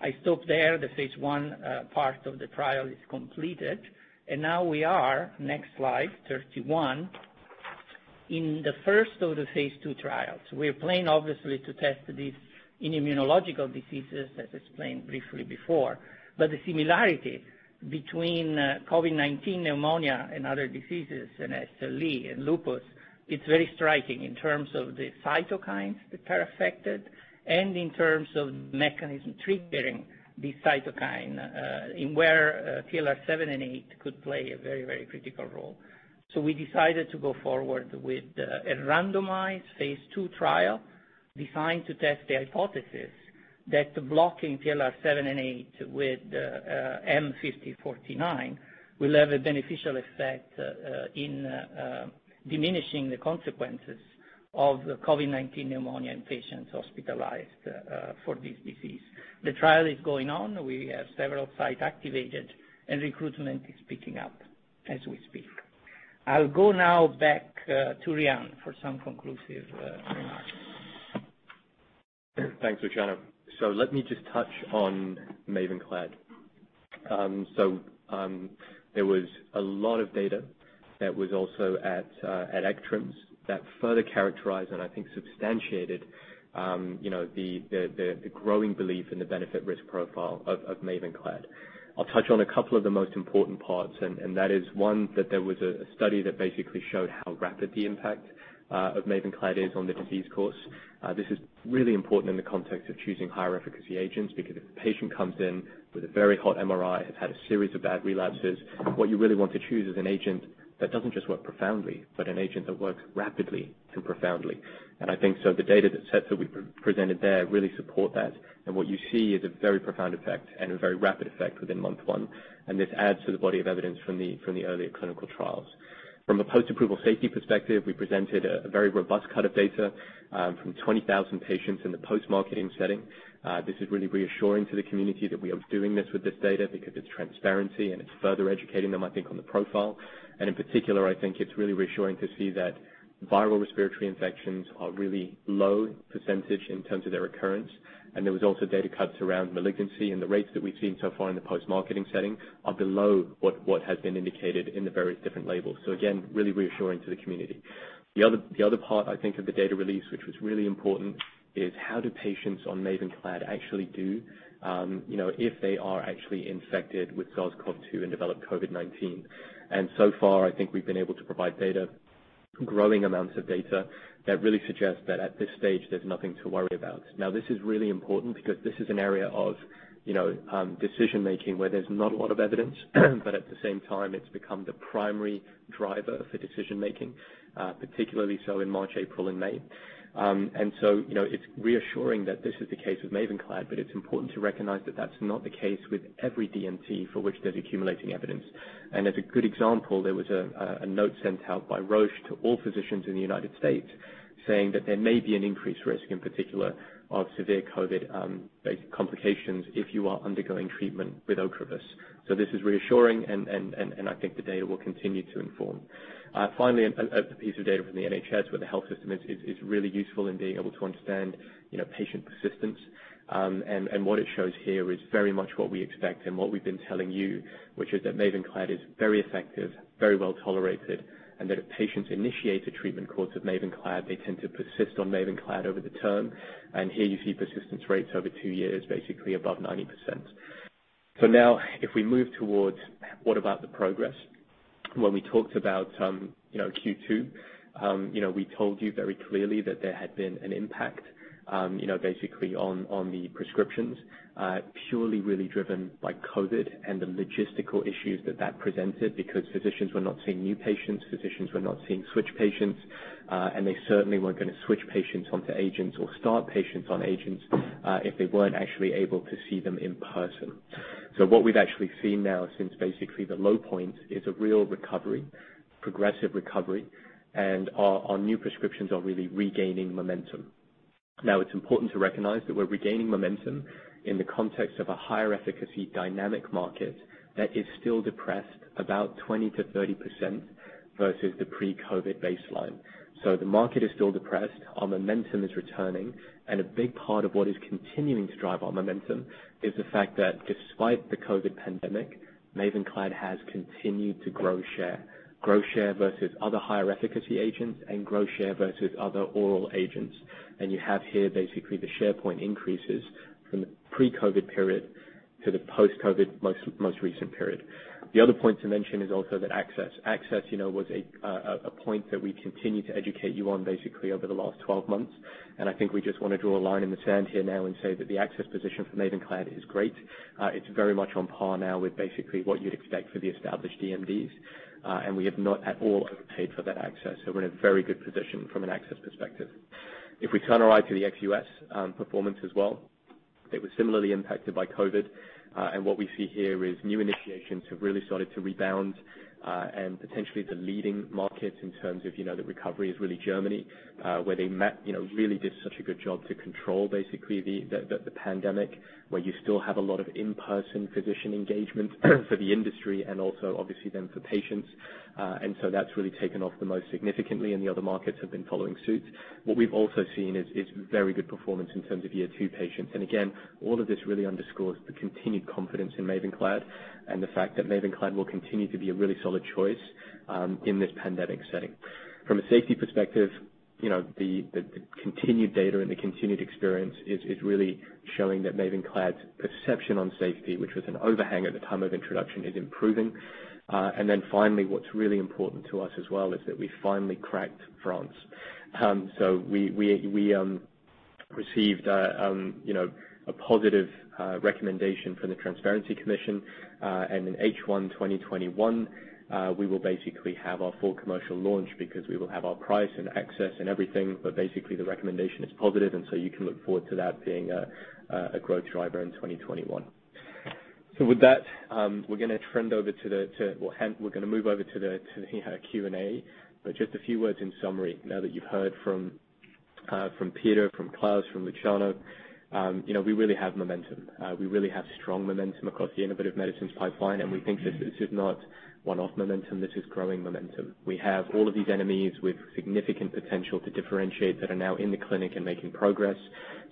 I stop there. The phase I part of the trial is completed, and now we are, next slide 31, in the first of the phase II trials. We're planning obviously to test this in immunological diseases, as explained briefly before. The similarity between COVID-19 pneumonia and other diseases in SLE and lupus, it's very striking in terms of the cytokines that are affected and in terms of mechanism triggering the cytokine, in where TLR7/8 could play a very, very critical role. We decided to go forward with a randomized phase II trial designed to test the hypothesis that blocking TLR7/8 with M5049 will have a beneficial effect in diminishing the consequences of the COVID-19 pneumonia in patients hospitalized for this disease. The trial is going on. We have several sites activated, and recruitment is picking up as we speak. I'll go now back to Rehan for some conclusive remarks. Thanks, Luciano. Let me just touch on MAVENCLAD. There was a lot of data that was also at ECTRIMS that further characterized and I think substantiated the growing belief in the benefit risk profile of MAVENCLAD. I'll touch on a couple of the most important parts, that is one, that there was a study that basically showed how rapid the impact of MAVENCLAD is on the disease course. This is really important in the context of choosing higher efficacy agents, because if a patient comes in with a very hot MRI, has had a series of bad relapses, what you really want to choose is an agent that doesn't just work profoundly, but an agent that works rapidly and profoundly. I think so the data sets that we presented there really support that. What you see is a very profound effect and a very rapid effect within month one. This adds to the body of evidence from the earlier clinical trials. From a post-approval safety perspective, we presented a very robust cut of data from 20,000 patients in the post-marketing setting. This is really reassuring to the community that we are doing this with this data because it's transparency and it's further educating them, I think, on the profile. In particular, I think it's really reassuring to see that viral respiratory infections are really low percentage in terms of their occurrence. There was also data cuts around malignancy, and the rates that we've seen so far in the post-marketing setting are below what has been indicated in the various different labels. Again, really reassuring to the community. The other part, I think, of the data release, which was really important, is how do patients on MAVENCLAD actually do if they are actually infected with SARS-CoV-2 and develop COVID-19. So far, I think we've been able to provide data, growing amounts of data, that really suggests that at this stage, there's nothing to worry about. Now, this is really important because this is an area of decision-making where there's not a lot of evidence, but at the same time, it's become the primary driver for decision-making, particularly so in March, April, and May. It's reassuring that this is the case with MAVENCLAD, but it's important to recognize that that's not the case with every DMT for which there's accumulating evidence. As a good example, there was a note sent out by Roche to all physicians in the U.S. saying that there may be an increased risk, in particular of severe COVID-based complications, if you are undergoing treatment with OCREVUS. This is reassuring, and I think the data will continue to inform. Finally, a piece of data from the NHS where the health system is really useful in being able to understand patient persistence. What it shows here is very much what we expect and what we've been telling you, which is that MAVENCLAD is very effective, very well-tolerated, and that if patients initiate a treatment course of MAVENCLAD, they tend to persist on MAVENCLAD over the term. Here you see persistence rates over two years, basically above 90%. Now if we move towards, what about the progress? When we talked about Q2, we told you very clearly that there had been an impact basically on the prescriptions, purely really driven by COVID and the logistical issues that that presented because physicians were not seeing new patients, physicians were not seeing switch patients, and they certainly weren't going to switch patients onto agents or start patients on agents if they weren't actually able to see them in person. What we've actually seen now since basically the low point is a real recovery, progressive recovery, and our new prescriptions are really regaining momentum. It's important to recognize that we're regaining momentum in the context of a higher efficacy dynamic market that is still depressed about 20%-30% versus the pre-COVID baseline. The market is still depressed. Our momentum is returning. A big part of what is continuing to drive our momentum is the fact that despite the COVID pandemic, MAVENCLAD has continued to grow share. Grow share versus other higher efficacy agents and grow share versus other oral agents. You have here basically the share point increases from the pre-COVID period to the post-COVID most recent period. The other point to mention is also the access. Access was a point that we continued to educate you on basically over the last 12 months. I think we just want to draw a line in the sand here now and say that the access position for MAVENCLAD is great. It's very much on par now with basically what you'd expect for the established DMDs. We have not at all overpaid for that access. We're in a very good position from an access perspective. If we turn our eye to the ex-U.S. performance as well, it was similarly impacted by COVID. What we see here is new initiations have really started to rebound. Potentially the leading market in terms of the recovery is really Germany, where they really did such a good job to control basically the pandemic, where you still have a lot of in-person physician engagement for the industry and also obviously then for patients. That's really taken off the most significantly, and the other markets have been following suit. What we've also seen is very good performance in terms of year two patients. Again, all of this really underscores the continued confidence in MAVENCLAD and the fact that MAVENCLAD will continue to be a really solid choice in this pandemic setting. From a safety perspective, the continued data and the continued experience is really showing that MAVENCLAD's perception on safety, which was an overhang at the time of introduction, is improving. Finally, what's really important to us as well is that we finally cracked France. We received a positive recommendation from the Transparency Committee. In H1 2021, we will basically have our full commercial launch because we will have our price and access and everything. Basically, the recommendation is positive, you can look forward to that being a growth driver in 2021. With that, we're going to move over to the Q&A. Just a few words in summary, now that you've heard from Peter, from Klaus, from Luciano. We really have momentum. We really have strong momentum across the innovative medicines pipeline, and we think this is not one-off momentum, this is growing momentum. We have all of these entities with significant potential to differentiate that are now in the clinic and making progress.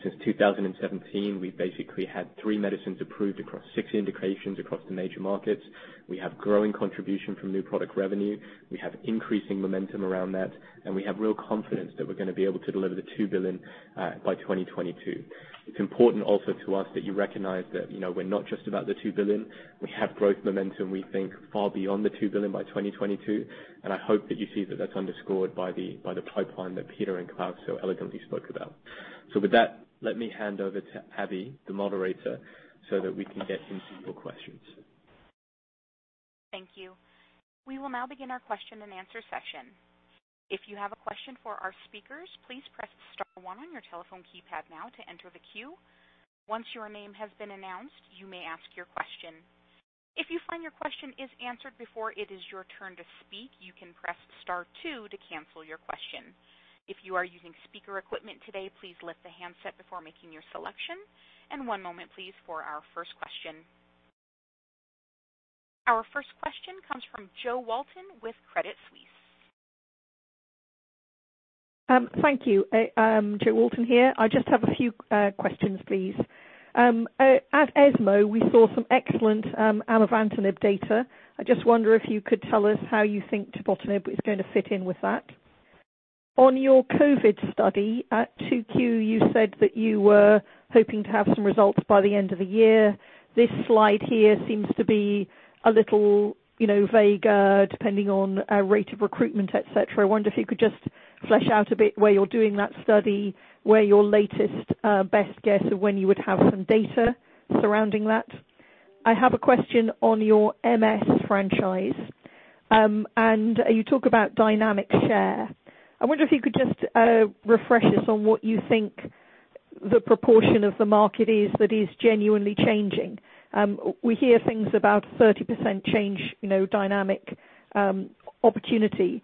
Since 2017, we've basically had three medicines approved across six indications across the major markets. We have growing contribution from new product revenue. We have increasing momentum around that, and we have real confidence that we're going to be able to deliver the 2 billion by 2022. It's important also to us that you recognize that we're not just about the 2 billion. We have growth momentum, we think, far beyond the 2 billion by 2022, and I hope that you see that that's underscored by the pipeline that Peter and Klaus so elegantly spoke about. With that, let me hand over to Abby, the moderator, so that we can get into your questions. Thank you. We will now begin our question and answer session. If you have a question for our speakers, please press star one on your telephone keypad now to enter the queue. Once your name has been announced, you may ask your question. If you find your question is answered before it is your turn to speak, you can press star two to cancel your question. If you are using speaker equipment today, please lift the handset before making your selection. One moment, please, for our first question. Our first question comes from Jo Walton with Credit Suisse. Thank you. Jo Walton here. I just have a few questions, please. At ESMO, we saw some excellent amivantamab data. I just wonder if you could tell us how you think tepotinib is going to fit in with that. On your COVID study at 2Q, you said that you were hoping to have some results by the end of the year. This slide here seems to be a little vaguer, depending on rate of recruitment, et cetera. I wonder if you could just flesh out a bit where you're doing that study, where your latest best guess of when you would have some data surrounding that. I have a question on your MS franchise. You talk about dynamic share. I wonder if you could just refresh us on what you think the proportion of the market is that is genuinely changing. We hear things about 30% change, dynamic opportunity.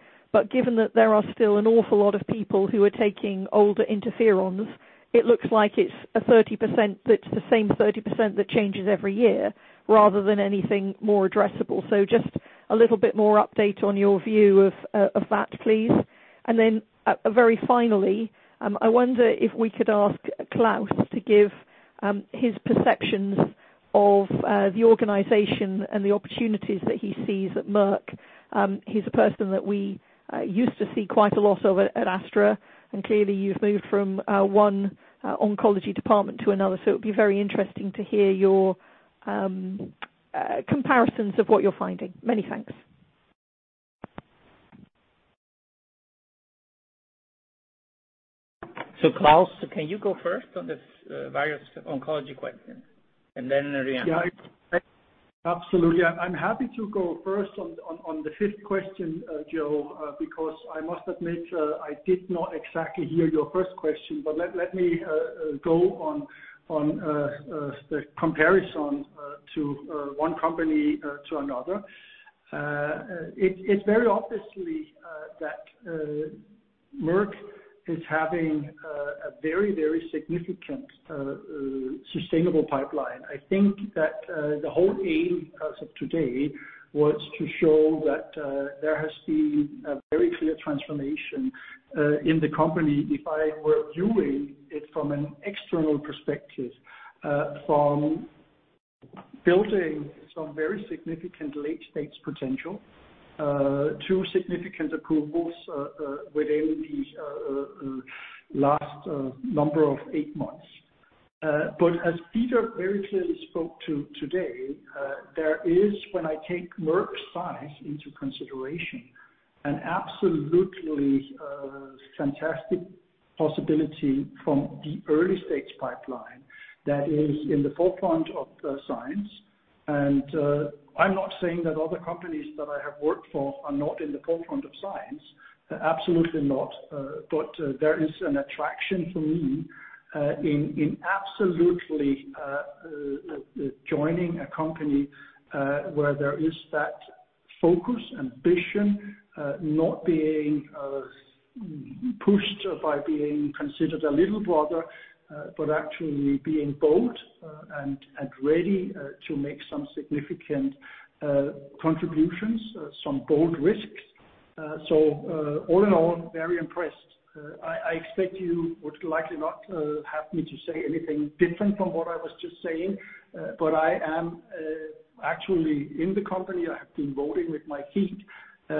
Given that there are still an awful lot of people who are taking older interferons, it looks like it's a 30% that's the same 30% that changes every year rather than anything more addressable. Just a little bit more update on your view of that, please. Then, very finally, I wonder if we could ask Klaus to give his perceptions of the organization and the opportunities that he sees at Merck. He's a person that we used to see quite a lot of at Astra, and clearly you've moved from one oncology department to another, so it would be very interesting to hear your comparisons of what you're finding. Many thanks. Klaus, can you go first on this various oncology question, and then Rehan? Yeah. Absolutely. I'm happy to go first on the fifth question, Jo, because I must admit, I did not exactly hear your first question, but let me go on the comparison to one company to another. It's very obviously that Merck is having a very significant sustainable pipeline. I think that the whole aim as of today was to show that there has been a very clear transformation in the company, if I were viewing it from an external perspective, from building some very significant late-stage potential to significant approvals within these last number of eight months. As Peter very clearly spoke to today, there is, when I take Merck's size into consideration, an absolutely fantastic possibility from the early-stage pipeline that is in the forefront of science. I'm not saying that other companies that I have worked for are not in the forefront of science. Absolutely not. There is an attraction for me in absolutely joining a company where there is that focus and vision, not being pushed by being considered a little brother, but actually being bold and ready to make some significant contributions, some bold risks. All in all, very impressed. I expect you would likely not have me to say anything different from what I was just saying, but I am actually in the company. I have been voting with my feet.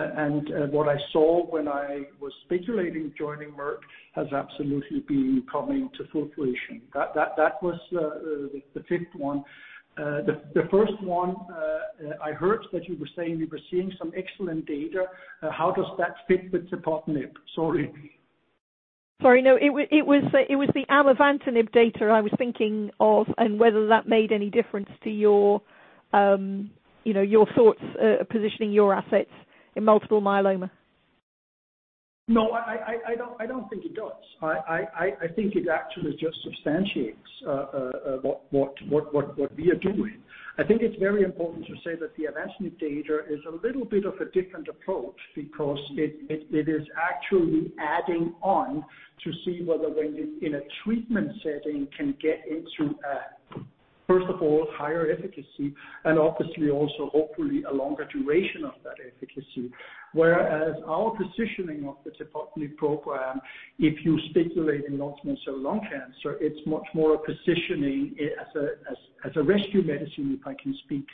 What I saw when I was speculating joining Merck has absolutely been coming to fruition. That was the fifth one. The first one, I heard that you were saying you were seeing some excellent data. How does that fit with tepotinib? Sorry. Sorry, no. It was the amivantamab data I was thinking of and whether that made any difference to your thoughts positioning your assets in multiple myeloma. No, I don't think it does. I think it actually just substantiates what we are doing. I think it's very important to say that the Avastin data is a little bit of a different approach because it is actually adding on to see whether when in a treatment setting can get into a, first of all, higher efficacy and obviously also hopefully a longer duration of that efficacy. Whereas our positioning of the tepotinib program, if you speculate in non-small cell lung cancer, it's much more a positioning as a rescue medicine, if I can speak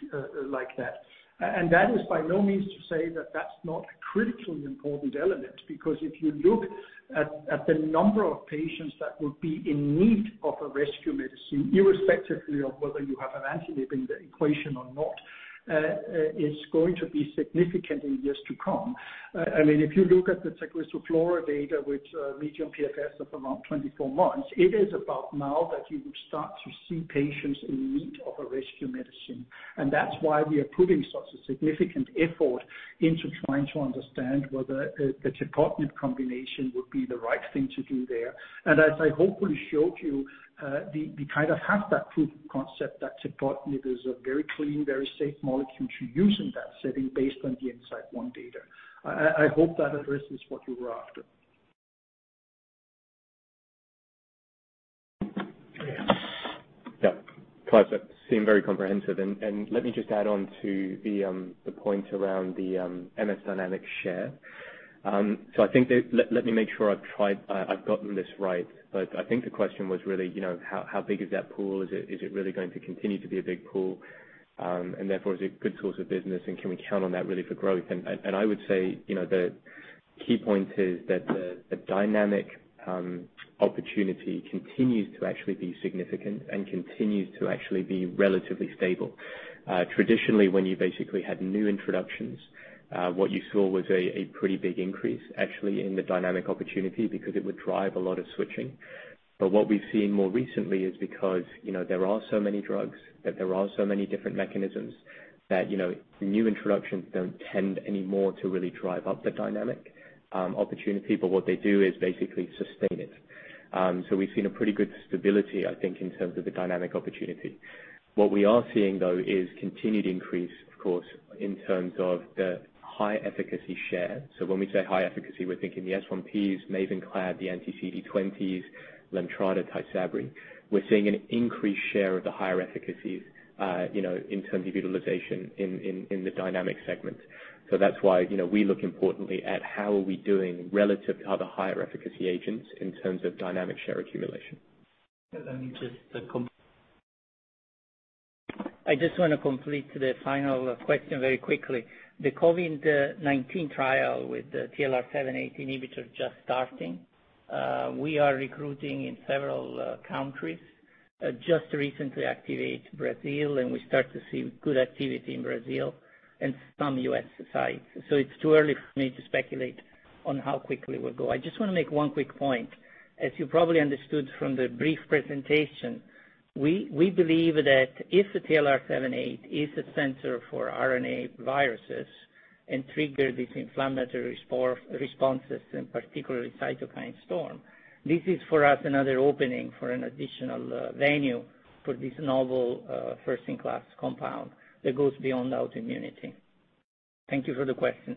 like that. That is by no means to say that's not a critically important element, because if you look at the number of patients that would be in need of a rescue medicine, irrespective of whether you have Avastin in the equation or not, is going to be significant in years to come. If you look at the TAGRISSO FLAURA data with median PFS of around 24 months, it is about now that you would start to see patients in need of a rescue medicine. That's why we are putting such a significant effort into trying to understand whether the tepotinib combination would be the right thing to do there. As I hopefully showed you, we kind of have that proof of concept that tepotinib is a very clean, very safe molecule to use in that setting based on the INSIGHT 1 data. I hope that addresses what you were after. Yeah. Klaus, that seemed very comprehensive. Let me just add on to the point around the MS dynamic share. I think let me make sure I've gotten this right, I think the question was really how big is that pool? Is it really going to continue to be a big pool? Therefore, is it a good source of business and can we count on that really for growth? I would say, the key point is that the dynamic opportunity continues to actually be significant and continues to actually be relatively stable. Traditionally, when you basically had new introductions, what you saw was a pretty big increase actually in the dynamic opportunity because it would drive a lot of switching. What we've seen more recently is because there are so many drugs, that there are so many different mechanisms, that new introductions don't tend anymore to really drive up the dynamic opportunity, but what they do is basically sustain it. We've seen a pretty good stability, I think, in terms of the dynamic opportunity. What we are seeing, though, is continued increase, of course, in terms of the high efficacy share. When we say high efficacy, we're thinking the S1P, MAVENCLAD, the anti-CD20s, LEMTRADA, TYSABRI. We're seeing an increased share of the higher efficacies in terms of utilization in the dynamic segment. That's why we look importantly at how are we doing relative to other higher efficacy agents in terms of dynamic share accumulation. I just want to complete the final question very quickly. The COVID-19 trial with the TLR7/8 inhibitor just starting. We are recruiting in several countries. Just recently activate Brazil, and we start to see good activity in Brazil and some U.S. sites. It's too early for me to speculate on how quickly we'll go. I just want to make one quick point. As you probably understood from the brief presentation, we believe that if the TLR7/8 is a sensor for RNA viruses and trigger these inflammatory responses, in particular cytokine storm, this is for us another opening for an additional venue for this novel first-in-class compound that goes beyond autoimmunity. Thank you for the question.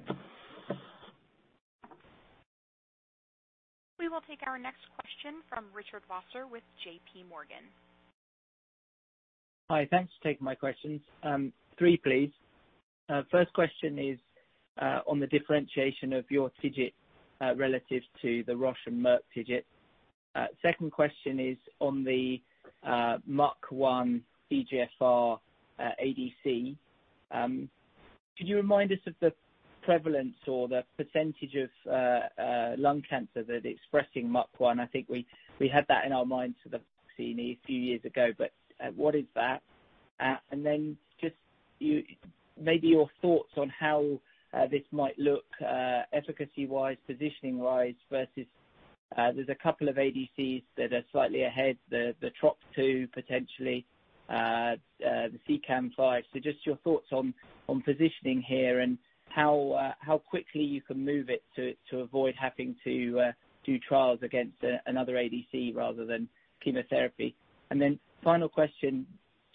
We will take our next question from Richard Vosser with JPMorgan. Hi, thanks for taking my questions. Three, please. First question is on the differentiation of your TIGIT relative to the Roche and Merck TIGIT. Second question is on the MUC1 EGFR ADC. Could you remind us of the prevalence or the percentage of lung cancer that expressing MUC1? I think we had that in our minds for the vaccine a few years ago, what is that? Just maybe your thoughts on how this might look efficacy-wise, positioning-wise versus there's a couple of ADCs that are slightly ahead, the Trop-2 potentially, the CEACAM5. Just your thoughts on positioning here and how quickly you can move it to avoid having to do trials against another ADC rather than chemotherapy. Final question,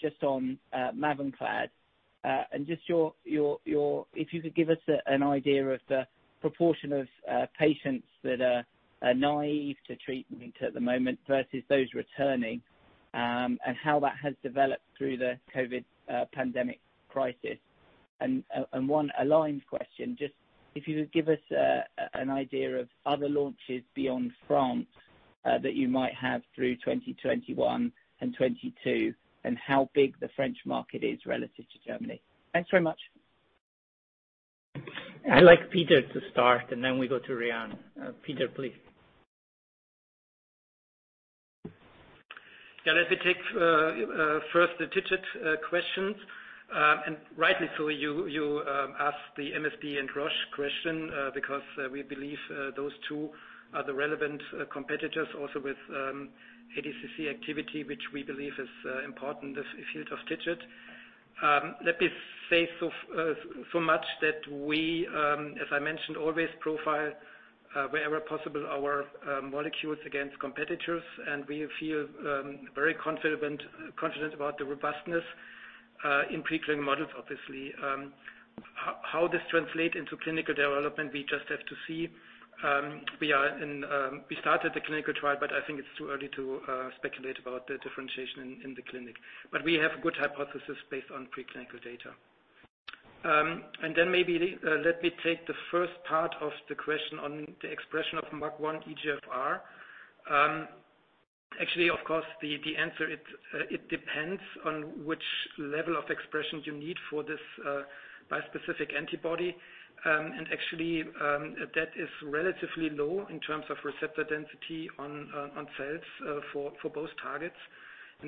just on MAVENCLAD. If you could give us an idea of the proportion of patients that are naive to treatment at the moment versus those returning, and how that has developed through the COVID pandemic crisis. One aligned question, just if you could give us an idea of other launches beyond France that you might have through 2021 and 2022, and how big the French market is relative to Germany. Thanks very much. I'd like Peter to start, then we go to Rehan. Peter, please. Yeah, let me take first the TIGIT questions. Rightly so, you asked the MSD and Roche question because we believe those two are the relevant competitors also with ADCC activity, which we believe is important in the field of TIGIT. Let me say so much that we, as I mentioned, always profile wherever possible our molecules against competitors, and we feel very confident about the robustness in pre-clinical models, obviously. How this translates into clinical development, we just have to see. We started the clinical trial, but I think it's too early to speculate about the differentiation in the clinic, but we have good hypothesis based on pre-clinical data. Maybe let me take the first part of the question on the expression of MUC1 EGFR. Actually, of course, the answer, it depends on which level of expression you need for this bispecific antibody. Actually, that is relatively low in terms of receptor density on cells for both targets.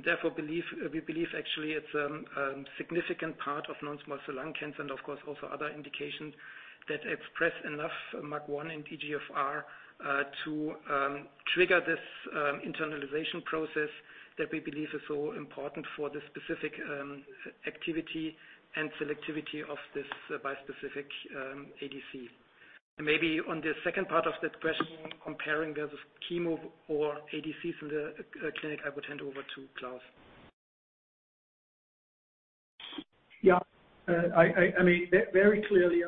Therefore, we believe actually it's a significant part of non-small cell lung cancer, and of course, also other indications that express enough MUC1 and EGFR to trigger this internalization process that we believe is so important for the specific activity and selectivity of this bispecific ADC. Maybe on the second part of that question, comparing the chemo or ADC from the clinic, I would hand over to Klaus. Yeah. Very clearly,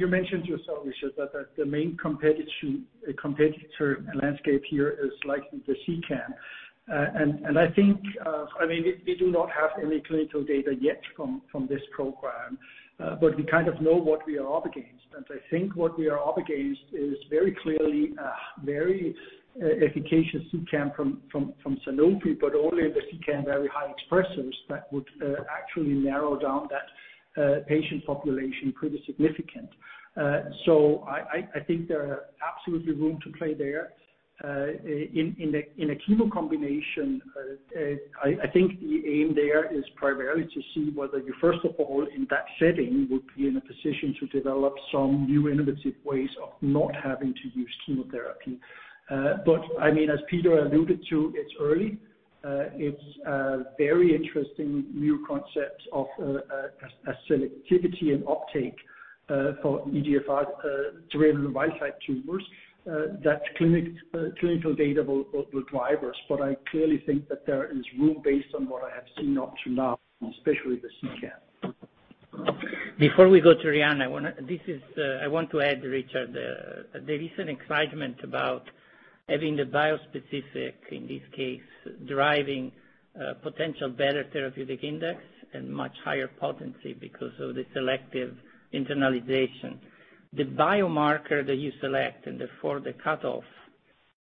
you mentioned yourself, Richard, that the main competitor landscape here is likely the CEACAM5. I think, we do not have any clinical data yet from this program, but we kind of know what we are up against. I think what we are up against is very clearly a very efficacious CEACAM5 from Sanofi, but only the CEACAM5 very high expressers that would actually narrow down that patient population pretty significant. I think there are absolutely room to play there. In a chemo combination, I think the aim there is primarily to see whether you, first of all, in that setting, would be in a position to develop some new innovative ways of not having to use chemotherapy. As Peter alluded to, it's early. It's a very interesting new concept of a selectivity and uptake for EGFR-driven wild type tumors that clinical data will drive us. I clearly think that there is room based on what I have seen up to now, especially the CEACAM5. Before we go to Rehan, I want to add, Richard, there is an excitement about having the bispecific, in this case, driving potential better therapeutic index and much higher potency because of the selective internalization. The biomarker that you select and therefore the cutoff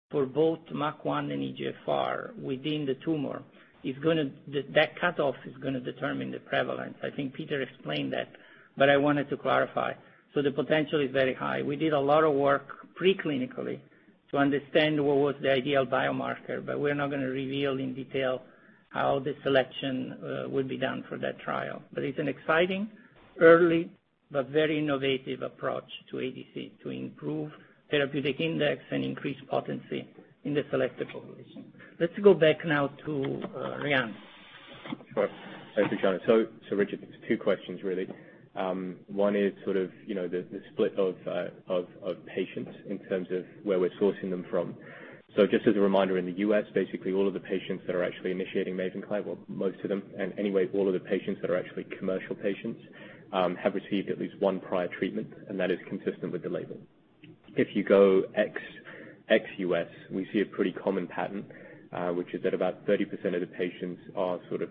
for both MUC1 and EGFR within the tumor, that cutoff is going to determine the prevalence. I think Peter explained that, but I wanted to clarify. The potential is very high. We did a lot of work pre-clinically to understand what was the ideal biomarker, but we're not going to reveal in detail how the selection will be done for that trial. It's an exciting, early, but very innovative approach to ADC to improve therapeutic index and increase potency in the selected population. Let's go back now to Rehan. Sure. Thanks, Luciano. Richard, it's two questions really. One is sort of the split of patients in terms of where we're sourcing them from. Just as a reminder, in the U.S., basically all of the patients that are actually initiating MAVENCLAD, well, most of them, and anyway, all of the patients that are actually commercial patients, have received at least one prior treatment, and that is consistent with the label. If you go ex-U.S., we see a pretty common pattern, which is that about 30% of the patients are sort of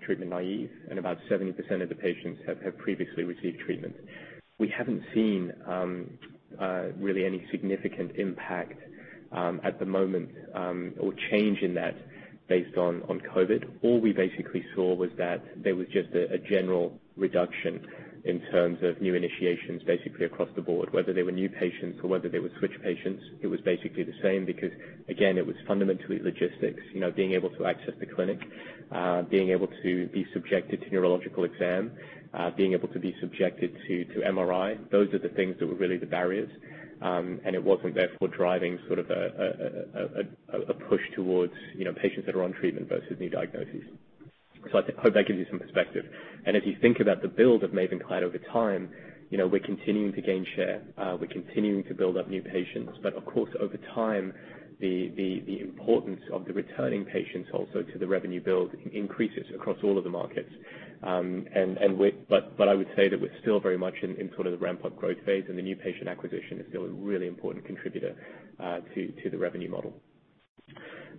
treatment naive, and about 70% of the patients have previously received treatment. We haven't seen really any significant impact at the moment or change in that based on COVID. All we basically saw was that there was just a general reduction in terms of new initiations, basically across the board, whether they were new patients or whether they were switch patients. It was basically the same because, again, it was fundamentally logistics. Being able to access the clinic, being able to be subjected to neurological exam, being able to be subjected to MRI. Those are the things that were really the barriers. It wasn't therefore driving sort of a push towards patients that are on treatment versus new diagnoses. I hope that gives you some perspective. If you think about the build of MAVENCLAD over time, we're continuing to gain share. We're continuing to build up new patients. Of course, over time, the importance of the returning patients also to the revenue build increases across all of the markets. I would say that we're still very much in sort of the ramp-up growth phase, and the new patient acquisition is still a really important contributor to the revenue model.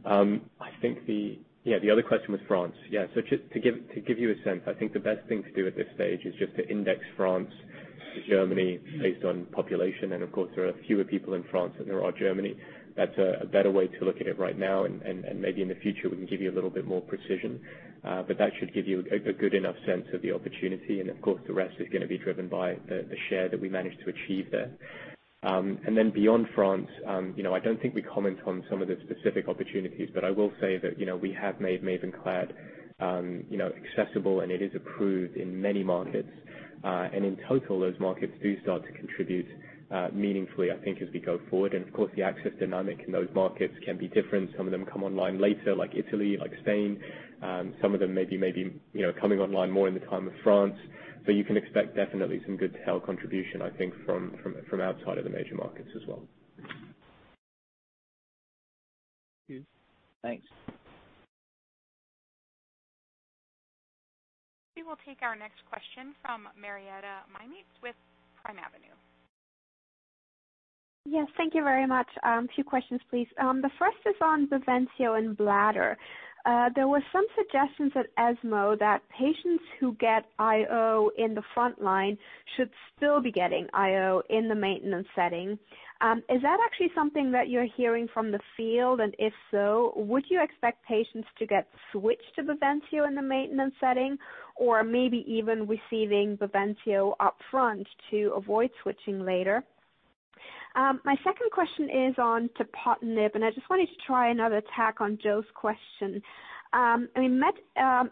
I think the other question was France. Yeah. Just to give you a sense, I think the best thing to do at this stage is just to index France to Germany based on population. Of course, there are fewer people in France than there are Germany. That's a better way to look at it right now, and maybe in the future, we can give you a little bit more precision. That should give you a good enough sense of the opportunity. Of course, the rest is going to be driven by the share that we managed to achieve there. Beyond France, I don't think we comment on some of the specific opportunities, but I will say that we have made MAVENCLAD accessible, and it is approved in many markets. In total, those markets do start to contribute meaningfully, I think, as we go forward. Of course, the access dynamic in those markets can be different. Some of them come online later, like Italy, like Spain. Some of them may be coming online more in the time of France. You can expect definitely some good tail contribution, I think, from outside of the major markets as well. Thanks. We will take our next question from Marietta Miemietz with Primavenue Advisory Services. Yes, thank you very much. Two questions, please. The first is on BAVENCIO and JAVELIN Bladder 100. There were some suggestions at ESMO that patients who get IO in the frontline should still be getting IO in the maintenance setting. Is that actually something that you're hearing from the field? If so, would you expect patients to get switched to BAVENCIO in the maintenance setting or maybe even receiving BAVENCIO upfront to avoid switching later? My second question is on tepotinib, and I just wanted to try another tack on Jo's question. I mean, MET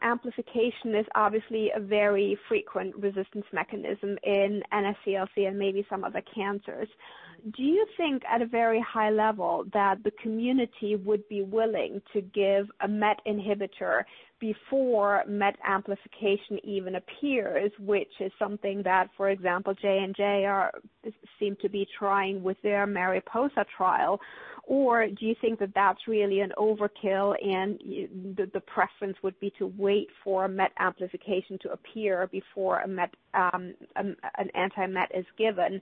amplification is obviously a very frequent resistance mechanism in NSCLC and maybe some other cancers. Do you think at a very high level that the community would be willing to give a MET inhibitor before MET amplification even appears, which is something that, for example, J&J seem to be trying with their MARIPOSA trial? Do you think that that's really an overkill, and the preference would be to wait for MET amplification to appear before an anti-MET is given?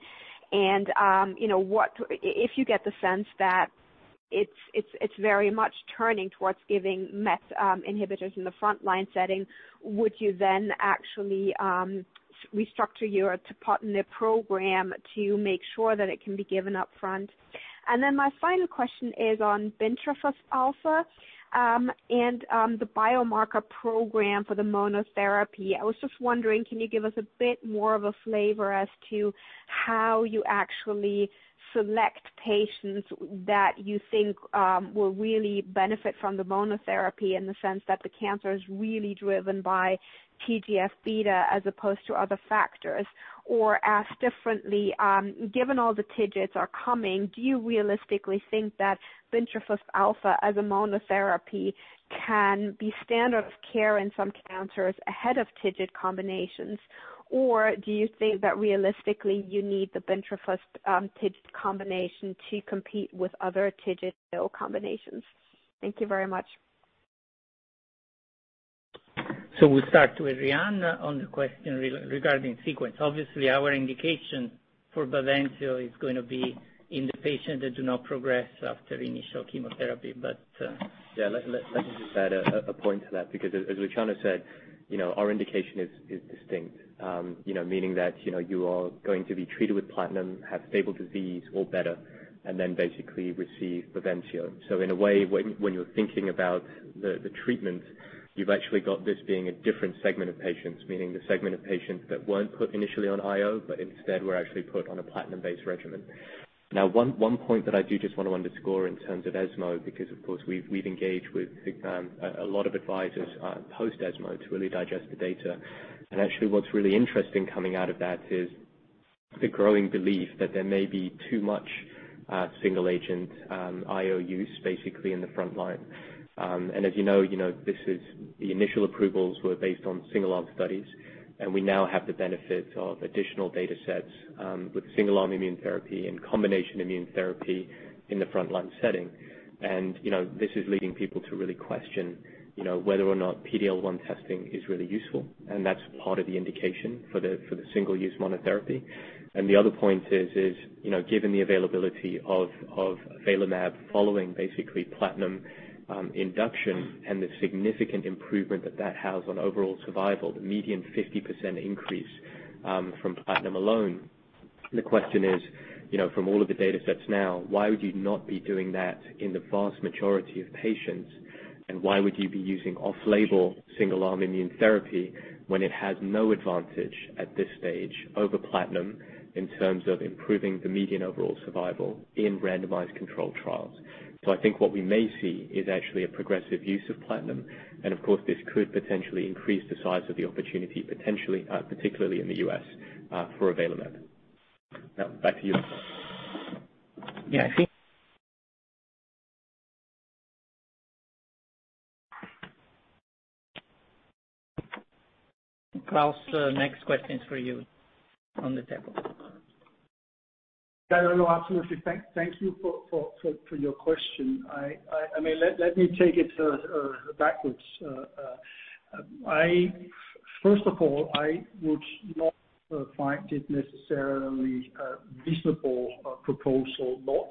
If you get the sense that it's very much turning towards giving MET inhibitors in the frontline setting, would you then actually restructure your tepotinib program to make sure that it can be given upfront? My final question is on bintrafusp alfa and the biomarker program for the monotherapy. I was just wondering, can you give us a bit more of a flavor as to how you actually select patients that you think will really benefit from the monotherapy in the sense that the cancer is really driven by TGF-β as opposed to other factors? Asked differently, given all the TIGITs are coming, do you realistically think that bintrafusp alfa as a monotherapy can be standard of care in some cancers ahead of TIGIT combinations? Or do you think that realistically you need the bintrafusp TIGIT combination to compete with other TIGIT combinations? Thank you very much. We'll start with Rehan on the question regarding sequence. Obviously, our indication for BAVENCIO is going to be in the patient that do not progress after initial chemotherapy. Let me just add a point to that, because as Luciano said, our indication is distinct. You are going to be treated with platinum, have stable disease or better, and then basically receive BAVENCIO. When you're thinking about the treatment, you've actually got this being a different segment of patients, meaning the segment of patients that weren't put initially on IO, but instead were actually put on a platinum-based regimen. One point that I do just want to underscore in terms of ESMO, because of course we've engaged with a lot of advisors post-ESMO to really digest the data. What's really interesting coming out of that is the growing belief that there may be too much single agent IO use basically in the frontline. As you know, the initial approvals were based on single-arm studies, and we now have the benefit of additional data sets with single-arm immune therapy and combination immune therapy in the frontline setting. This is leading people to really question whether or not PD-L1 testing is really useful, and that's part of the indication for the single-use monotherapy. The other point is, given the availability of avelumab following basically platinum induction and the significant improvement that that has on overall survival, the median 50% increase from platinum alone. The question is, from all of the data sets now, why would you not be doing that in the vast majority of patients? Why would you be using off-label single-arm immune therapy when it has no advantage at this stage over platinum in terms of improving the median overall survival in randomized controlled trials? I think what we may see is actually a progressive use of platinum, and of course, this could potentially increase the size of the opportunity potentially, particularly in the U.S., for avelumab. Now, back to you. Yeah, I think. Klaus, next question is for you on the table. No, absolutely. Thank you for your question. Let me take it backwards. First of all, I would not find it necessarily a reasonable proposal not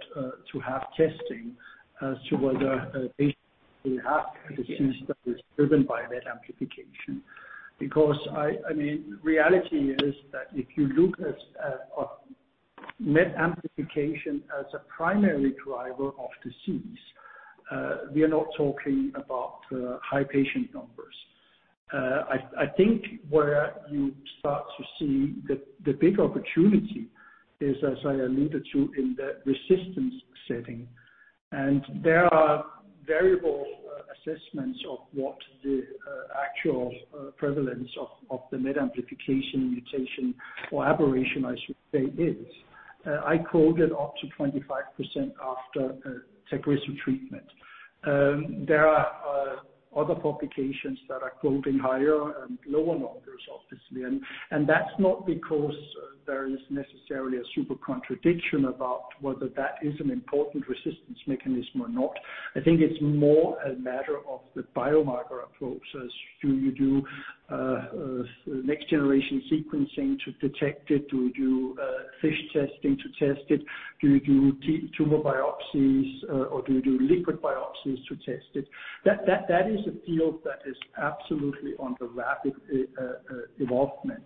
to have testing as to whether a patient may have a disease that is driven by MET amplification. The reality is that if you look at MET amplification as a primary driver of disease, we are not talking about high patient numbers. I think where you start to see the big opportunity is, as I alluded to, in the resistance setting. There are variable assessments of what the actual prevalence of the MET amplification mutation, or aberration I should say, is. I called it up to 25% after TAGRISSO treatment. There are other publications that are quoting higher and lower numbers, obviously. That's not because there is necessarily a super contradiction about whether that is an important resistance mechanism or not. I think it's more a matter of the biomarker approach, as do you do Next-Generation Sequencing to detect it, do you do FISH testing to test it? Do you do tumor biopsies, or do you do liquid biopsies to test it? That is a field that is absolutely under rapid evolvement.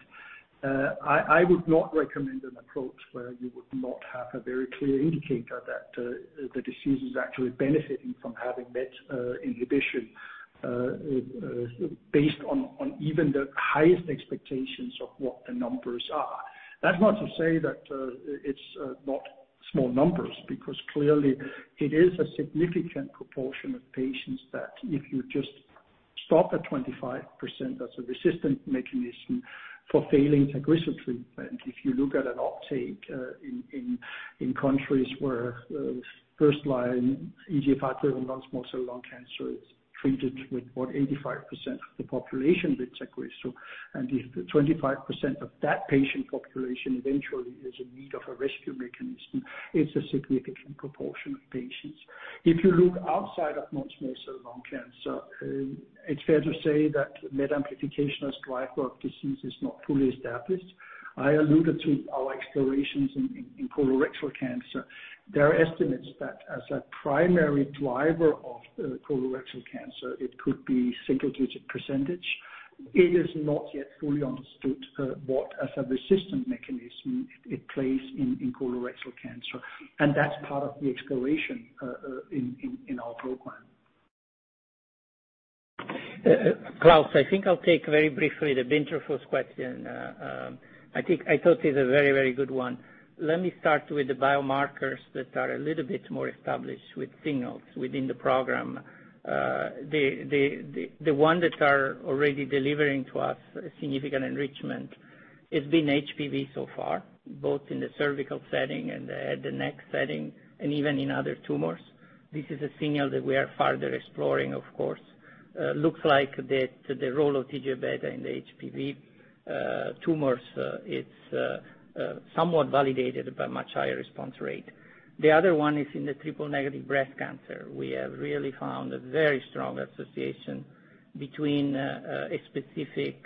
I would not recommend an approach where you would not have a very clear indicator that the disease is actually benefiting from having MET inhibition, based on even the highest expectations of what the numbers are. That's not to say that it's not small numbers, because clearly it is a significant proportion of patients that if you just stop at 25%, that's a resistant mechanism for failing TAGRISSO treatment. If you look at an uptake in countries where first-line EGFR driven non-small cell lung cancer is treated with what, 85% of the population with TAGRISSO, and if the 25% of that patient population eventually is in need of a rescue mechanism, it's a significant proportion of patients. If you look outside of non-small cell lung cancer, it's fair to say that MET amplification as driver of disease is not fully established. I alluded to our explorations in colorectal cancer. There are estimates that as a primary driver of colorectal cancer, it could be single digit percentage. It is not yet fully understood what, as a resistance mechanism, it plays in colorectal cancer. That's part of the exploration in our program. Klaus, I think I'll take very briefly the bintrafusp question. I thought it's a very good one. Let me start with the biomarkers that are a little bit more established with signals within the program. The one that are already delivering to us significant enrichment, it's been HPV so far, both in the cervical setting and the neck setting, and even in other tumors. This is a signal that we are further exploring, of course. Looks like that the role of TGF-β in the HPV tumors, it's somewhat validated by much higher response rate. The other one is in the triple-negative breast cancer. We have really found a very strong association between a specific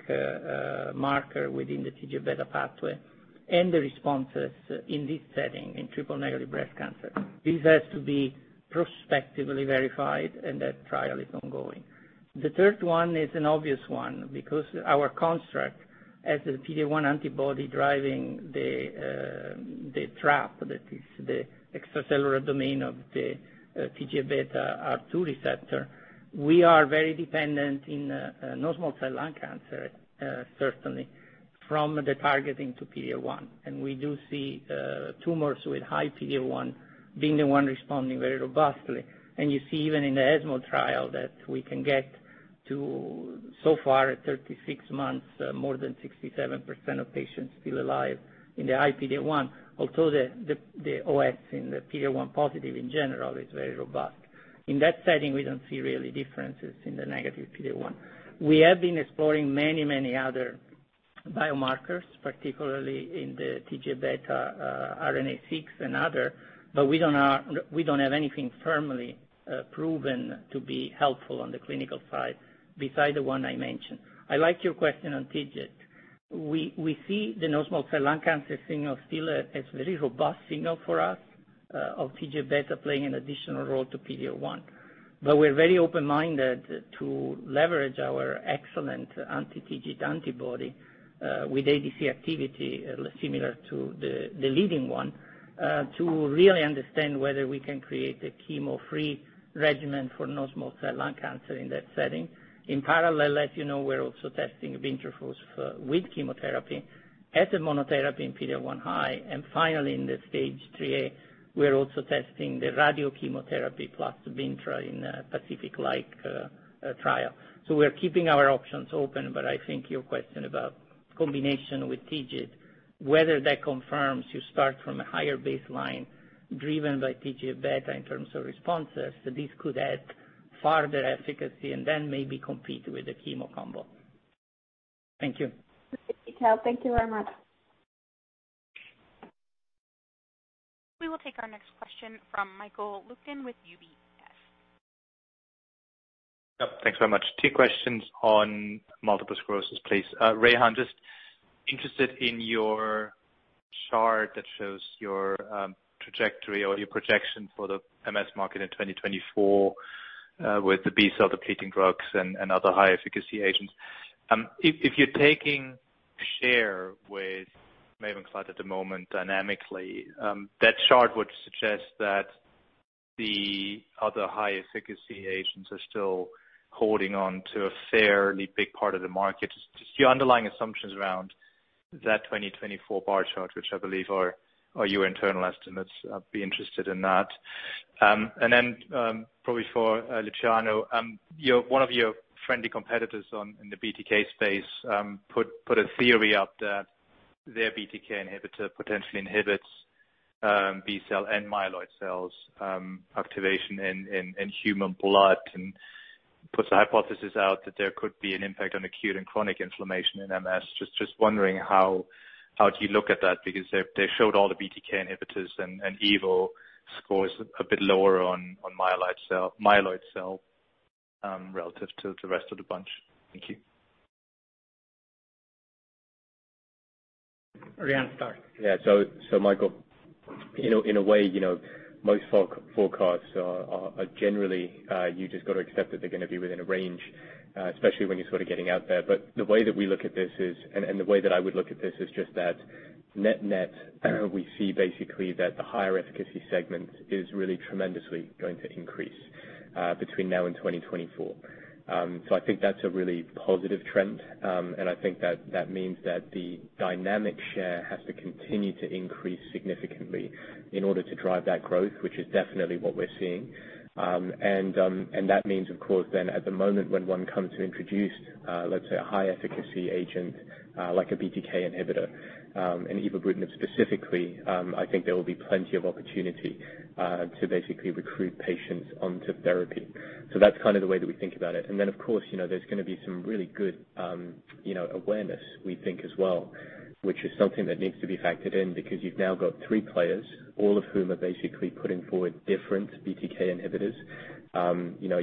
marker within the TGF-β pathway and the responses in this setting, in triple-negative breast cancer. This has to be prospectively verified, and that trial is ongoing. The third one is an obvious one because our construct as a PD-L1 antibody driving the trap, that is the extracellular domain of the TGF-β receptor 2. We are very dependent in non-small cell lung cancer, certainly from the targeting to PD-L1. We do see tumors with high PD-L1 being the one responding very robustly. You see even in the ESMO trial that we can get to, so far at 36 months, more than 67% of patients still alive in the high PD-L1, although the OS in the PD-L1 positive in general is very robust. In that setting, we don't see really differences in the negative PD-L1. We have been exploring many other biomarkers, particularly in the TGF-β, RNA-Seq and other, we don't have anything firmly proven to be helpful on the clinical side besides the one I mentioned. I like your question on TIGIT. We see the non-small cell lung cancer signal still as very robust signal for us of TGF-β playing an additional role to PD-L1. We're very open-minded to leverage our excellent anti-TIGIT antibody with ADC activity similar to the leading one, to really understand whether we can create a chemo-free regimen for non-small cell lung cancer in that setting. In parallel, as you know, we're also testing bintrafusp with chemotherapy as a monotherapy in PD-L1 high. Finally, in the stage 3A, we're also testing the radiochemotherapy plus Bintra in PACIFIC-like trial. We're keeping our options open. I think your question about combination with TIGIT, whether that confirms you start from a higher baseline driven by TGF-β in terms of responses, this could add farther efficacy and then maybe compete with the chemo combo. Thank you. (audio distortion) Thank you very much. We will take our next question from Michael Leuchten with UBS. Yep. Thanks very much. Two questions on multiple sclerosis, please. Rehan, just interested in your chart that shows your trajectory or your projection for the MS market in 2024 with the B-cell depleting drugs and other high efficacy agents. If you're taking share with MAVENCLAD at the moment dynamically, that chart would suggest that the other high-efficacy agents are still holding on to a fairly big part of the market. Just your underlying assumptions around that 2024 bar chart, which I believe are your internal estimates. I'd be interested in that. Then probably for Luciano, one of your friendly competitors in the BTK space put a theory out that their BTK inhibitor potentially inhibits B-cell and myeloid cells activation in human blood, and puts the hypothesis out that there could be an impact on acute and chronic inflammation in MS. Just wondering how do you look at that? They showed all the BTK inhibitors, and evobrutinib scores a bit lower on myeloid cell relative to the rest of the bunch. Thank you. Rehan, start. Yeah. Michael, in a way, most forecasts are generally you just got to accept that they're going to be within a range, especially when you're sort of getting out there. The way that we look at this is, and the way that I would look at this is just that net-net, we see basically that the higher efficacy segment is really tremendously going to increase between now and 2024. I think that's a really positive trend. I think that means that the dynamic share has to continue to increase significantly in order to drive that growth, which is definitely what we're seeing. That means, of course, then at the moment when one comes to introduce let's say a high efficacy agent like a BTK inhibitor, and evobrutinib specifically, I think there will be plenty of opportunity to basically recruit patients onto therapy. That's kind of the way that we think about it. Then, of course, there's going to be some really good awareness, we think as well, which is something that needs to be factored in because you've now got three players, all of whom are basically putting forward different BTK inhibitors.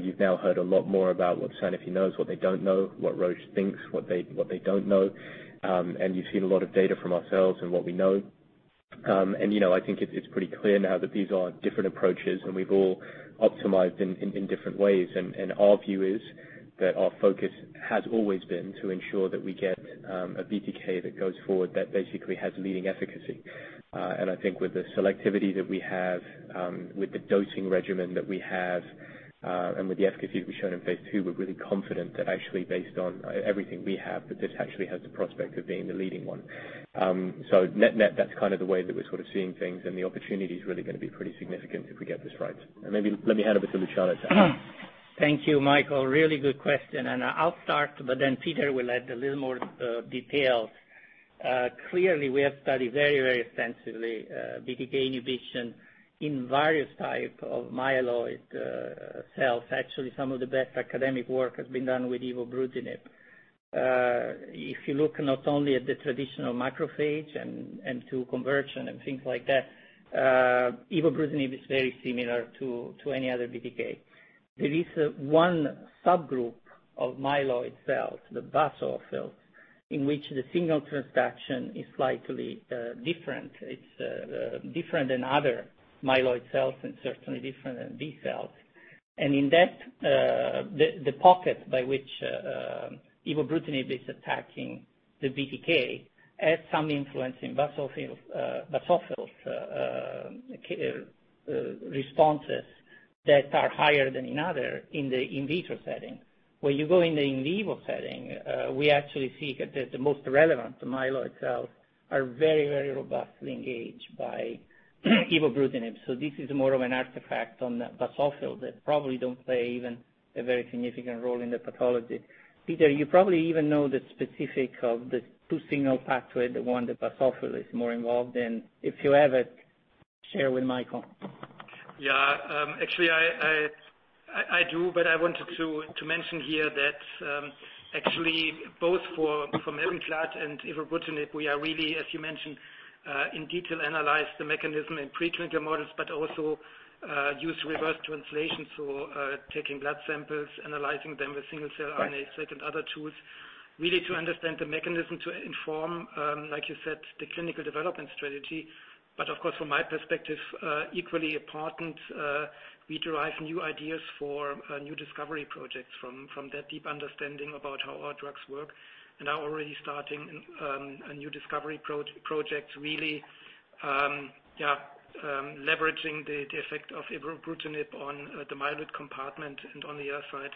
You've now heard a lot more about what Sanofi knows, what they don't know, what Roche thinks, what they don't know, and you've seen a lot of data from ourselves and what we know. I think it's pretty clear now that these are different approaches, and we've all optimized in different ways. Our view is that our focus has always been to ensure that we get a BTK that goes forward that basically has leading efficacy. I think with the selectivity that we have, with the dosing regimen that we have, and with the efficacy that we've shown in phase II, we're really confident that actually based on everything we have, that this actually has the prospect of being the leading one. Net-net, that's kind of the way that we're sort of seeing things, and the opportunity is really going to be pretty significant if we get this right. Maybe let me hand over to Luciano. Thank you, Michael. Really good question. I'll start. Peter will add a little more details. Clearly, we have studied very, very extensively BTK inhibition in various type of myeloid cells. Actually, some of the best academic work has been done with evobrutinib. If you look not only at the traditional macrophage and to conversion and things like that, evobrutinib is very similar to any other BTK. There is one subgroup of myeloid cells, the basophil, in which the signal transduction is slightly different. It's different than other myeloid cells and certainly different than B cells. In that, the pocket by which evobrutinib is attacking the BTK has some influence in basophil's responses that are higher than in other in the in vitro setting. When you go in the in vivo setting, we actually see that the most relevant myeloid cells are very, very robustly engaged by evobrutinib. This is more of an artifact on the basophil that probably don't play even a very significant role in the pathology. Peter, you probably even know the specific of the two signal pathway, the one the basophil is more involved in. If you have it, share with Michael. Yeah. Actually I do. I wanted to mention here that actually both for MAVENCLAD and evobrutinib, we are really, as you mentioned, in detail analyze the mechanism in preclinical models, but also use reverse translation. Taking blood samples, analyzing them with single cell RNA, certain other tools, really to understand the mechanism to inform like you said, the clinical development strategy. Of course, from my perspective, equally important, we derive new ideas for new discovery projects from that deep understanding about how our drugs work and are already starting a new discovery project really leveraging the effect of evobrutinib on the myeloid compartment and on the other side,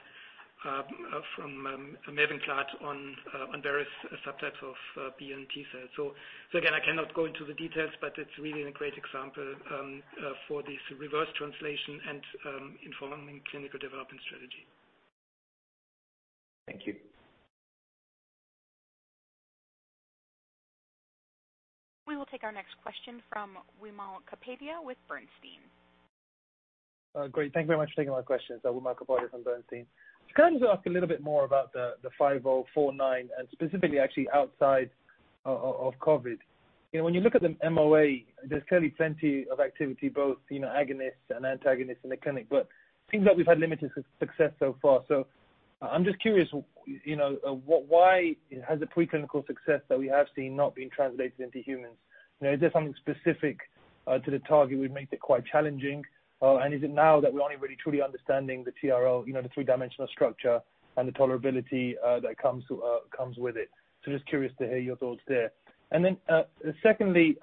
from MAVENCLAD on various subtypes of B and T cells. Again, I cannot go into the details, but it's really a great example for this reverse translation and informing clinical development strategy. Thank you. We will take our next question from Wimal Kapadia with Bernstein. Great. Thank you very much for taking my questions. Wimal Kapadia from Bernstein. I was going to just ask a little bit more about the M5049 and specifically actually outside of COVID. When you look at the MOA, there's clearly plenty of activity, both agonists and antagonists in the clinic, but it seems like we've had limited success so far. I'm just curious, why has the preclinical success that we have seen not been translated into humans? Is there something specific to the target which makes it quite challenging? Is it now that we're only really truly understanding the TLR, the three-dimensional structure and the tolerability that comes with it? Just curious to hear your thoughts there. Secondly,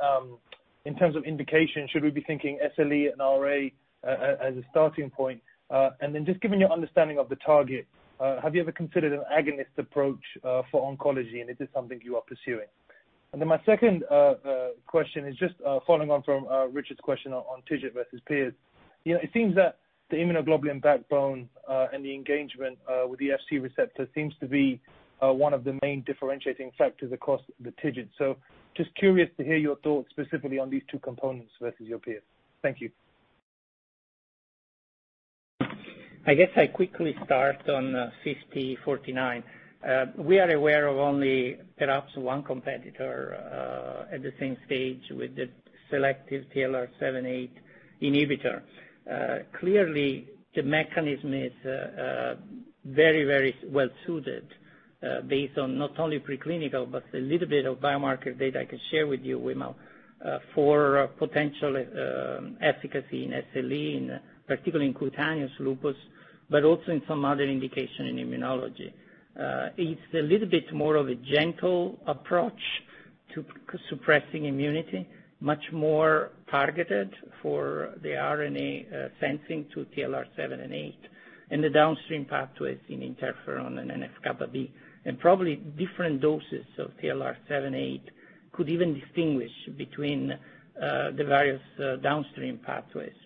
in terms of indication, should we be thinking SLE and RA as a starting point? Then just given your understanding of the target, have you ever considered an agonist approach for oncology, and is this something you are pursuing? Then my second question is just following on from Richard's question on TIGIT versus peers. It seems that the immunoglobulin backbone and the engagement with the Fc receptor seems to be one of the main differentiating factors across the TIGIT. Just curious to hear your thoughts specifically on these two components versus your peers. Thank you. I guess I quickly start on M5049. We are aware of only perhaps one competitor at the same stage with the selective TLR7/8 inhibitor. Clearly, the mechanism is very well-suited, based on not only preclinical, but the little bit of biomarker data I can share with you, Wimal, for potential efficacy in SLE, particularly in cutaneous lupus, but also in some other indication in immunology. It's a little bit more of a gentle approach to suppressing immunity, much more targeted for the RNA sensing to TLR7/8, and the downstream pathways in interferon and NF-κB. Probably different doses of TLR7/8 could even distinguish between the various downstream pathways.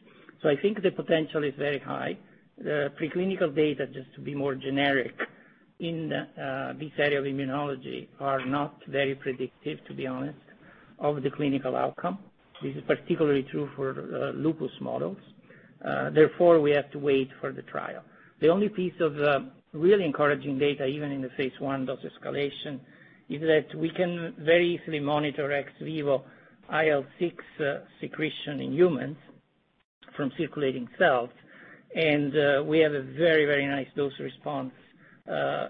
I think the potential is very high. The preclinical data, just to be more generic, in this area of immunology are not very predictive, to be honest, of the clinical outcome. This is particularly true for lupus models. Therefore, we have to wait for the trial. The only piece of really encouraging data, even in the phase I dose escalation, is that we can very easily monitor ex vivo IL-6 secretion in humans from circulating cells. We have a very nice dose response,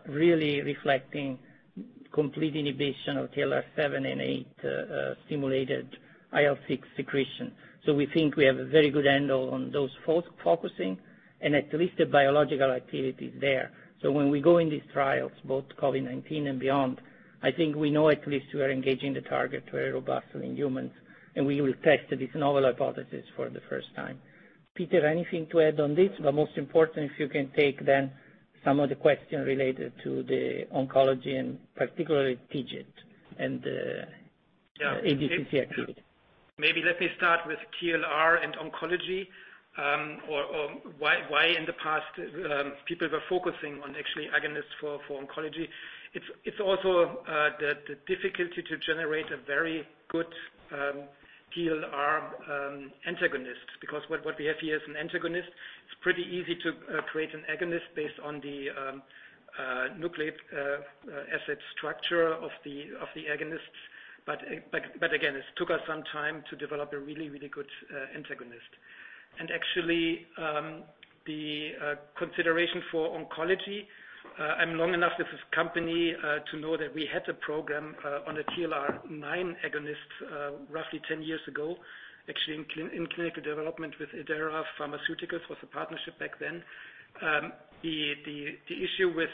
really reflecting complete inhibition of TLR7/8-stimulated IL-6 secretion. We think we have a very good handle on dose focusing and at least the biological activity is there. When we go in these trials, both COVID-19 and beyond, I think we know at least we are engaging the target very robustly in humans, and we will test this novel hypothesis for the first time. Peter, anything to add on this? Most important, if you can take then some of the question related to the oncology and particularly TIGIT. Yeah ADCC activity. Maybe let me start with TLR and oncology, or why in the past people were focusing on actually agonists for oncology. It's also the difficulty to generate a very good TLR antagonist because what we have here is an antagonist. It's pretty easy to create an agonist based on the nucleic acid structure of the agonists. Again, it took us some time to develop a really good antagonist. Actually, the consideration for oncology, I'm long enough with this company to know that we had a program on a TLR9 agonist roughly 10 years ago, actually in clinical development with Idera Pharmaceuticals, was a partnership back then. The issue with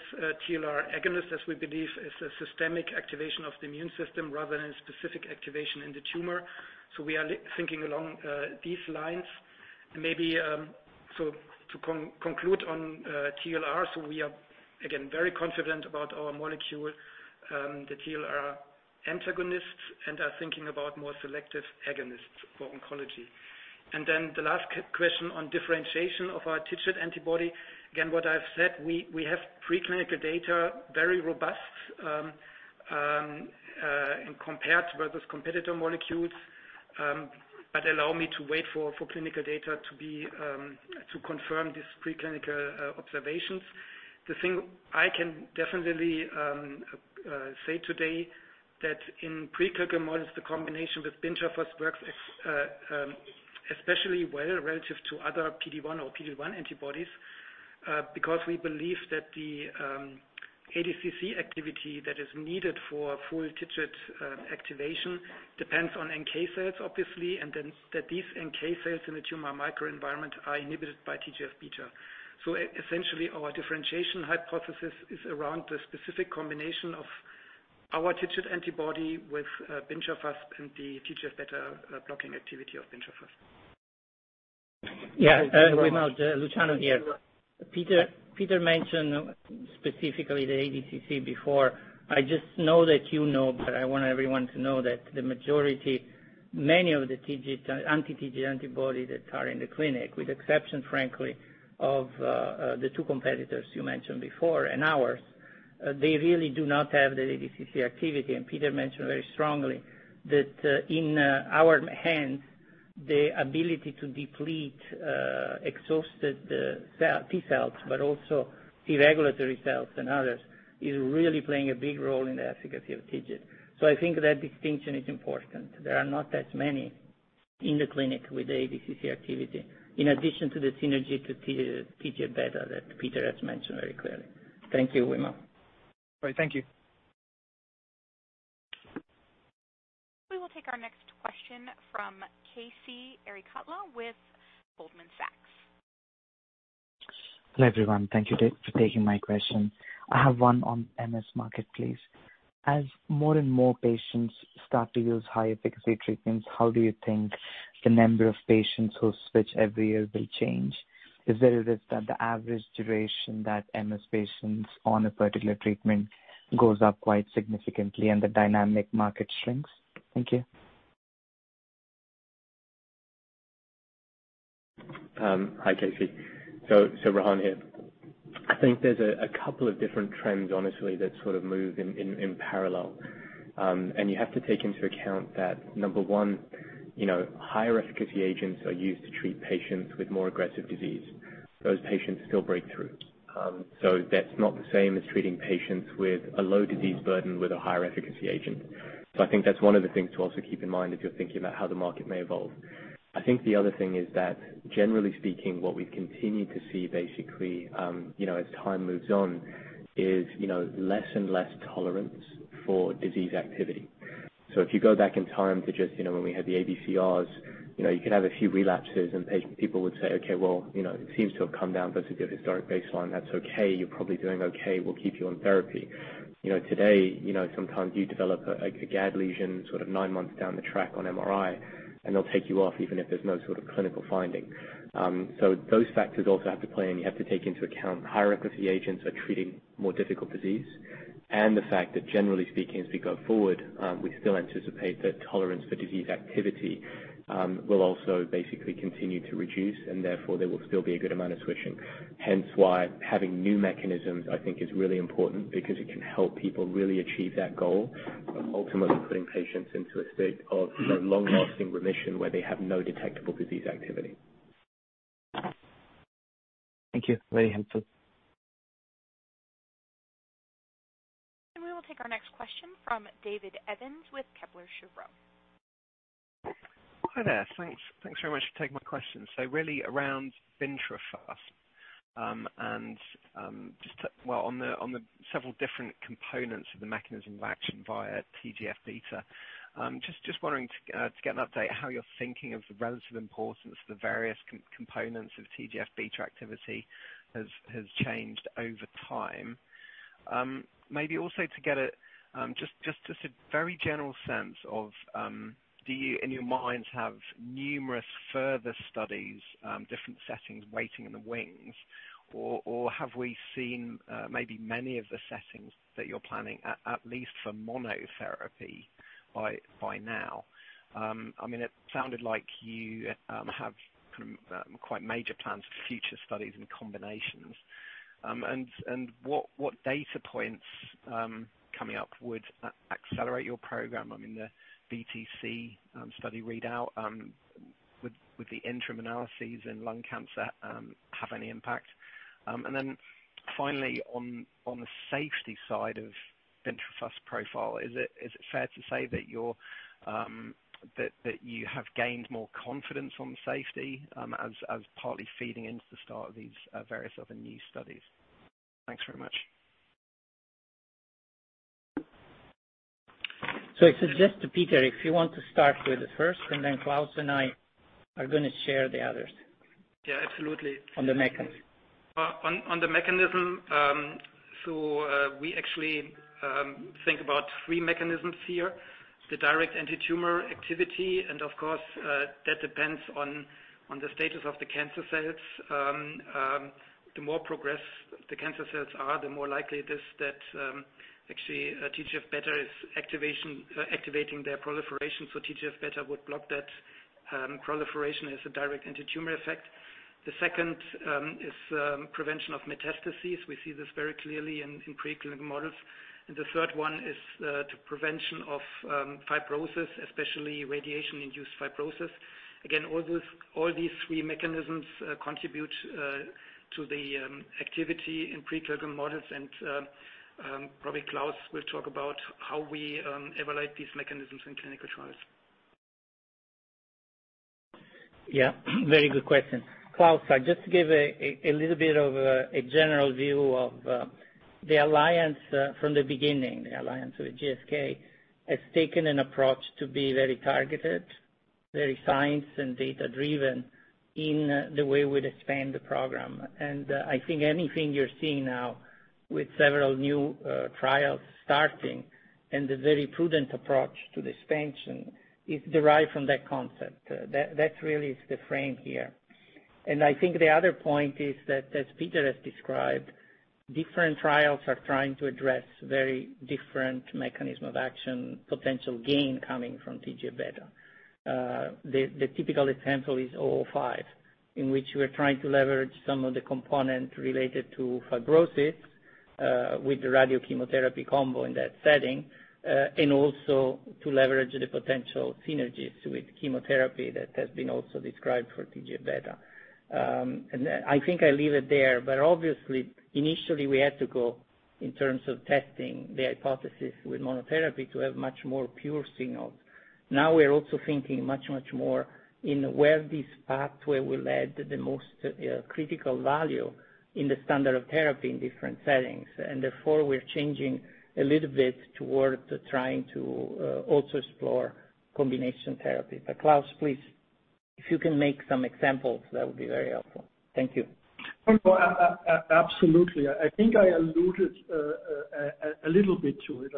TLR agonists, as we believe, is a systemic activation of the immune system rather than specific activation in the tumor. We are thinking along these lines. Maybe to conclude on TLRs, we are, again, very confident about our molecule, the TLR antagonists, and are thinking about more selective agonists for oncology. The last question on differentiation of our TIGIT antibody. Again, what I've said, we have preclinical data, very robust, and compared to other competitor molecules, but allow me to wait for clinical data to confirm these preclinical observations. The thing I can definitely say today that in preclinical models, the combination with bintrafusp works especially well relative to other PD-1 or PD-L1 antibodies, because we believe that the ADCC activity that is needed for full TIGIT activation depends on NK cells, obviously, and that these NK cells in the tumor microenvironment are inhibited by TGF-β. Essentially, our differentiation hypothesis is around the specific combination of our TIGIT antibody with bintrafusp and the TGF-β blocking activity of bintrafusp. Yeah, Wimal, Luciano here. Peter mentioned specifically the ADCC before. I just know that you know, but I want everyone to know that the majority, many of the TIGIT, anti-TIGIT antibodies that are in the clinic, with exception, frankly, of the two competitors you mentioned before and ours, they really do not have the ADCC activity. Peter mentioned very strongly that in our hands, the ability to deplete exhausted T cells, but also T regulatory cells and others, is really playing a big role in the efficacy of TIGIT. I think that distinction is important. There are not that many in the clinic with ADCC activity in addition to the synergy to TGF-β that Peter has mentioned very clearly. Thank you, Wimal. Great. Thank you. We will take our next question from Casey Conley with Goldman Sachs. Hello, everyone. Thank you for taking my question. I have one on MS marketplace. As more and more patients start to use high-efficacy treatments, how do you think the number of patients who switch every year will change? Is it that the average duration that MS patients on a particular treatment goes up quite significantly and the dynamic market shrinks? Thank you. Hi, Casey. Rehan here. I think there's a couple of different trends, honestly, that sort of move in parallel. You have to take into account that number one, higher efficacy agents are used to treat patients with more aggressive disease. Those patients still break through. That's not the same as treating patients with a low disease burden with a higher efficacy agent. I think that's one of the things to also keep in mind if you're thinking about how the market may evolve. I think the other thing is that generally speaking, what we've continued to see basically, as time moves on, is less and less tolerance for disease activity. If you go back in time to just when we had the ABCRs, you could have a few relapses and people would say, "Okay, well, it seems to have come down versus your historic baseline. That's okay. You're probably doing okay. We'll keep you on therapy. Today, sometimes you develop a Gad lesion sort of nine months down the track on MRI, and they'll take you off even if there's no sort of clinical finding. Those factors also have to play, and you have to take into account higher efficacy agents are treating more difficult disease. The fact that generally speaking, as we go forward, we still anticipate that tolerance for disease activity will also basically continue to reduce, and therefore, there will still be a good amount of switching. Hence why having new mechanisms, I think, is really important because it can help people really achieve that goal of ultimately putting patients into a state of long-lasting remission where they have no detectable disease activity. Thank you. Very helpful. We will take our next question from David Evans with Kepler Cheuvreux. Hi there. Thanks very much for taking my question. Really around bintrafusp. Well, on the several different components of the mechanism of action via TGF-β. Just wanting to get an update how you're thinking of the relative importance of the various components of TGF-β activity has changed over time. Maybe also to get just as a very general sense of, do you, in your minds, have numerous further studies, different settings waiting in the wings? Or have we seen maybe many of the settings that you're planning, at least for monotherapy by now? It sounded like you have quite major plans for future studies and combinations. What data points coming up would accelerate your program? I mean, the BTC study readout would the interim analyses in lung cancer have any impact? Finally, on the safety side of bintrafusp profile, is it fair to say that you have gained more confidence on safety as partly feeding into the start of these various other new studies? Thanks very much. I suggest to Peter, if you want to start with it first, and then Klaus and I are going to share the others. Yeah, absolutely. On the mechanism. On the mechanism, we actually think about three mechanisms here, the direct anti-tumor activity, and of course, that depends on the status of the cancer cells. The more progressed the cancer cells are, the more likely it is that actually, TGF-β is activating their proliferation. TGF-β would block that proliferation as a direct anti-tumor effect. The second is prevention of metastases. We see this very clearly in preclinical models. The third one is the prevention of fibrosis, especially radiation-induced fibrosis. Again, all these three mechanisms contribute to the activity in preclinical models, and probably Klaus will talk about how we evaluate these mechanisms in clinical trials. Yeah. Very good question. Klaus, just to give a little bit of a general view of the alliance from the beginning, the alliance with GSK, has taken an approach to be very targeted, very science and data-driven in the way we expand the program. I think anything you're seeing now with several new trials starting and the very prudent approach to the expansion is derived from that concept. That really is the frame here. I think the other point is that as Peter has described, different trials are trying to address very different mechanism of action, potential gain coming from TGF-β. The typical example is 005, in which we're trying to leverage some of the component related to fibrosis, with the radio chemotherapy combo in that setting, also to leverage the potential synergies with chemotherapy that has been also described for TGF-β. I think I leave it there. Obviously, initially, we had to go in terms of testing the hypothesis with monotherapy to have much more pure signals. Now we are also thinking much more in where this pathway will add the most critical value in the standard of therapy in different settings. Therefore, we're changing a little bit toward trying to also explore combination therapy. Klaus, please. If you can make some examples, that would be very helpful. Thank you. Absolutely. I think I alluded a little bit to it.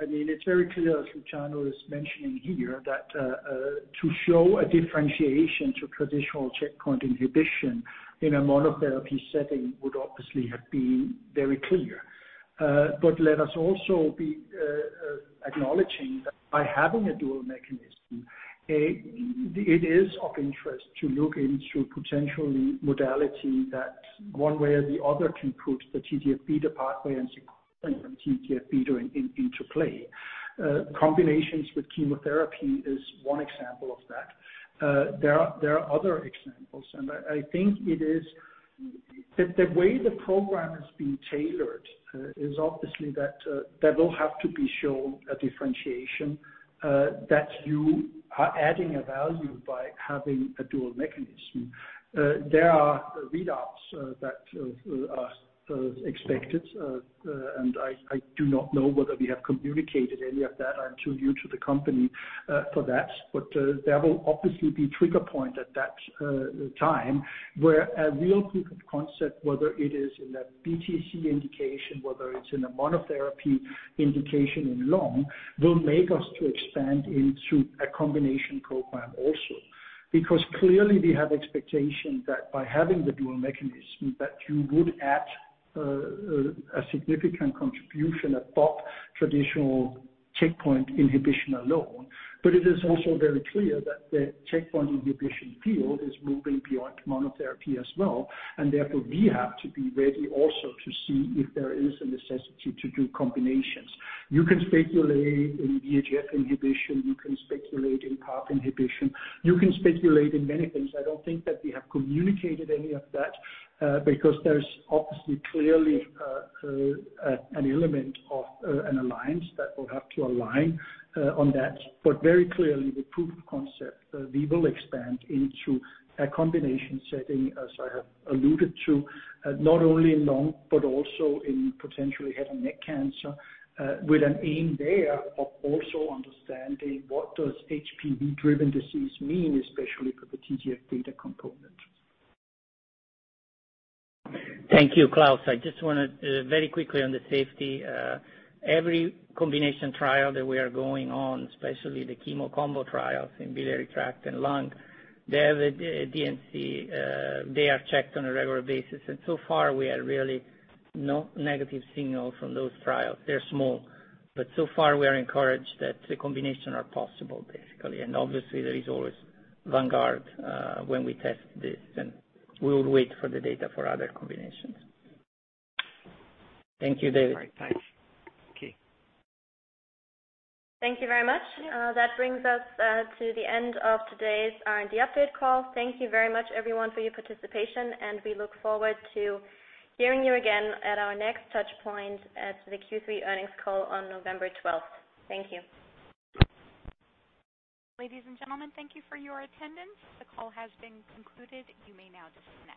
It's very clear as Luciano is mentioning here, that to show a differentiation to traditional checkpoint inhibition in a monotherapy setting would obviously have been very clear. Let us also be acknowledging that by having a dual mechanism, it is of interest to look into potential modality that one way or the other can put the TGF-β pathway and TGF-β into play. Combinations with chemotherapy is one example of that. There are other examples, I think it is the way the program is being tailored is obviously that there will have to be shown a differentiation that you are adding a value by having a dual mechanism. There are readouts that are expected, I do not know whether we have communicated any of that. I'm too new to the company for that. There will obviously be trigger point at that time where a real proof of concept, whether it is in that BTC indication, whether it's in a monotherapy indication in lung, will make us to expand into a combination program also. Clearly we have expectation that by having the dual mechanism that you would add a significant contribution above traditional checkpoint inhibition alone. It is also very clear that the checkpoint inhibition field is moving beyond monotherapy as well, and therefore we have to be ready also to see if there is a necessity to do combinations. You can speculate in VEGF inhibition, you can speculate in PARP inhibition, you can speculate in many things. I don't think that we have communicated any of that, because there's obviously clearly an element of an alliance that will have to align on that. Very clearly the proof of concept, we will expand into a combination setting as I have alluded to, not only in lung but also in potentially head and neck cancer, with an aim there of also understanding what does HPV-driven disease mean, especially for the TGF-β component. Thank you, Klaus. I just want to very quickly on the safety. Every combination trial that we are going on, especially the chemo combo trials in biliary tract and lung, they have a DSMB. They are checked on a regular basis. So far we are really no negative signal from those trials. They're small. So far we are encouraged that the combination are possible basically. Obviously there is always vanguard when we test this, and we will wait for the data for other combinations. Thank you, David. All right. Thanks. Okay. Thank you very much. That brings us to the end of today's R&D update call. Thank you very much everyone for your participation. We look forward to hearing you again at our next touch point at the Q3 earnings call on November 12th. Thank you. Ladies and gentlemen, thank you for your attendance. The call has been concluded. You may now disconnect.